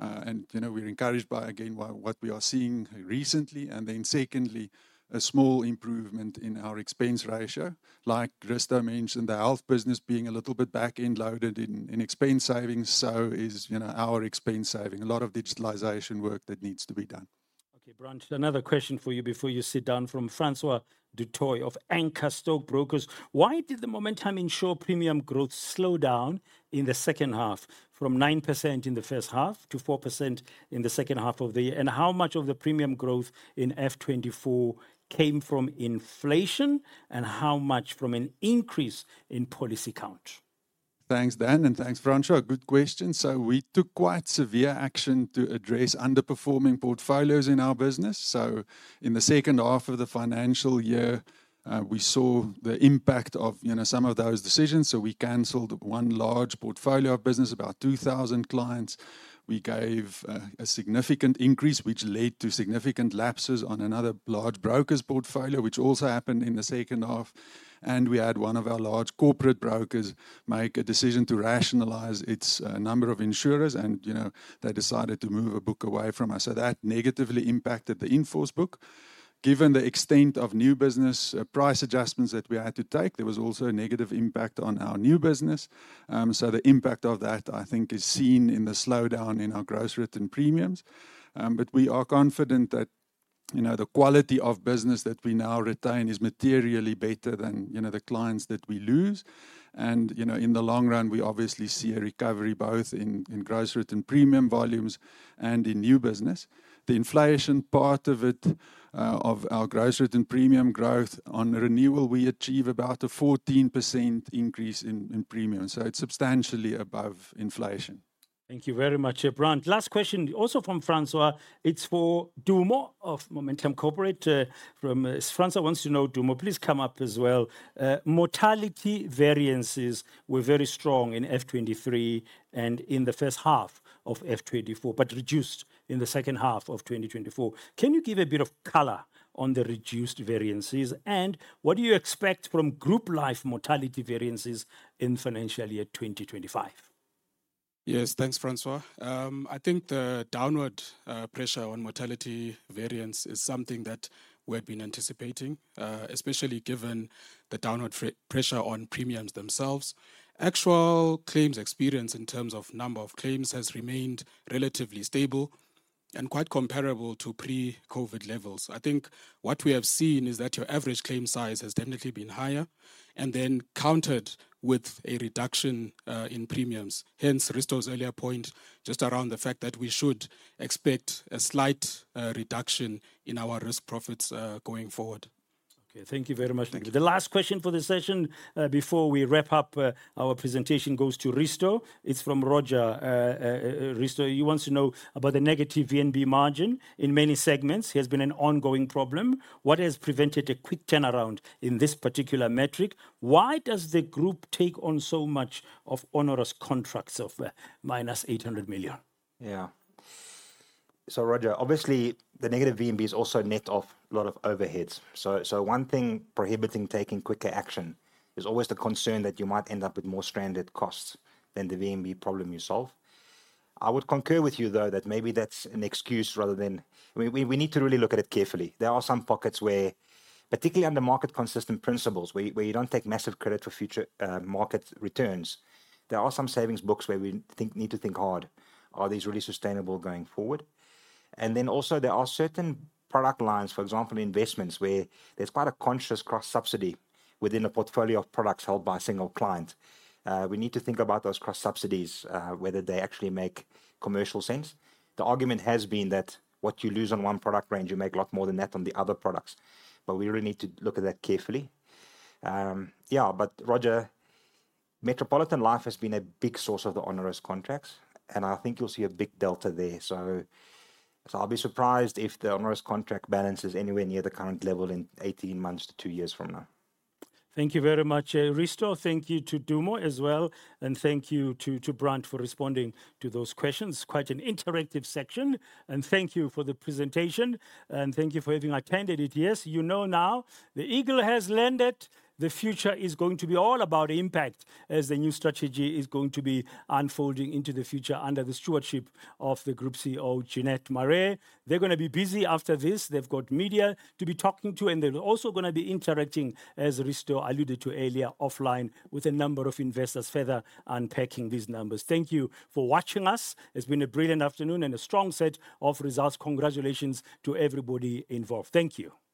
And, you know, we're encouraged by, again, what we are seeing recently. And then secondly, a small improvement in our expense ratio. Like Risto mentioned, the health business being a little bit back-end loaded in expense savings, so is, you know, our expense saving. A lot of digitalization work that needs to be done.
Okay, Brandt, another question for you before you sit down from Francois du Toit of Anchor Stockbrokers: Why did the Momentum Insure premium growth slow down in the second half from 9% in the first half to 4% in the second half of the year? And how much of the premium growth in FT 2024 came from inflation, and how much from an increase in policy count?
Thanks, Dan, and thanks, Francois. Good question, so we took quite severe action to address underperforming portfolios in our business, so in the second half of the financial year, we saw the impact of, you know, some of those decisions, so we cancelled one large portfolio of business, about 2,000 clients. We gave a significant increase, which led to significant lapses on another large broker's portfolio, which also happened in the second half, and we had one of our large corporate brokers make a decision to rationalize its number of insurers, and, you know, they decided to move a book away from us, so that negatively impacted the in-force book. Given the extent of new business price adjustments that we had to take, there was also a negative impact on our new business. So the impact of that, I think, is seen in the slowdown in our gross written premiums. But we are confident that, you know, the quality of business that we now retain is materially better than, you know, the clients that we lose. And, you know, in the long run, we obviously see a recovery both in gross written premium volumes and in new business. The inflation part of it, of our gross written premium growth, on renewal, we achieve about a 14% increase in premium, so it's substantially above inflation.
Thank you very much, Brandt. Last question, also from Francois. It's for Dumo of Momentum Corporate. Francois wants to know, Dumo, please come up as well. Mortality variances were very strong in FY 2023 and in the first half of FY 2024, but reduced in the second half of 2024. Can you give a bit of color on the reduced variances, and what do you expect from Group Life mortality variances in financial year 2025?
Yes, thanks, Francois. I think the downward pressure on mortality variance is something that we've been anticipating, especially given the downward pressure on premiums themselves. Actual claims experience in terms of number of claims, has remained relatively stable and quite comparable to pre-COVID levels. I think what we have seen is that your average claim size has definitely been higher and then countered with a reduction in premiums. Hence, Risto's earlier point just around the fact that we should expect a slight reduction in our risk profits, going forward.
Okay, thank you very much.
Thank you.
The last question for this session, before we wrap up, our presentation, goes to Risto. It's from Roger. Risto, he wants to know about the negative VNB margin in many segments. It has been an ongoing problem. What has prevented a quick turnaround in this particular metric? Why does the group take on so much of onerous contracts of -800 million?
Yeah. So Roger, obviously, the negative VNB is also net off a lot of overheads, so one thing prohibiting taking quicker action is always the concern that you might end up with more stranded costs than the VNB problem you solve. I would concur with you, though, that maybe that's an excuse rather than... We need to really look at it carefully. There are some pockets where, particularly under market consistent principles, where you don't take massive credit for future market returns. There are some savings books where we need to think hard. Are these really sustainable going forward? And then also there are certain product lines, for example, in investments, where there's quite a conscious cross-subsidy within a portfolio of products held by a single client. We need to think about those cross-subsidies, whether they actually make commercial sense. The argument has been that what you lose on one product range, you make a lot more than that on the other products, but we really need to look at that carefully. Yeah, but Roger, Metropolitan Life has been a big source of the onerous contracts, and I think you'll see a big delta there. So I'll be surprised if the onerous contract balance is anywhere near the current level in eighteen months to two years from now.
Thank you very much, Risto. Thank you to Dumo as well, and thank you to Brandt for responding to those questions. Quite an interactive section, and thank you for the presentation, and thank you for having attended it. Yes, you know now the eagle has landed. The future is going to be all about impact as the new strategy is going to be unfolding into the future under the stewardship of the Group CEO, Jeanette Marais. They're gonna be busy after this. They've got media to be talking to, and they're also gonna be interacting, as Risto alluded to earlier, offline with a number of investors, further unpacking these numbers. Thank you for watching us. It's been a brilliant afternoon and a strong set of results. Congratulations to everybody involved. Thank you.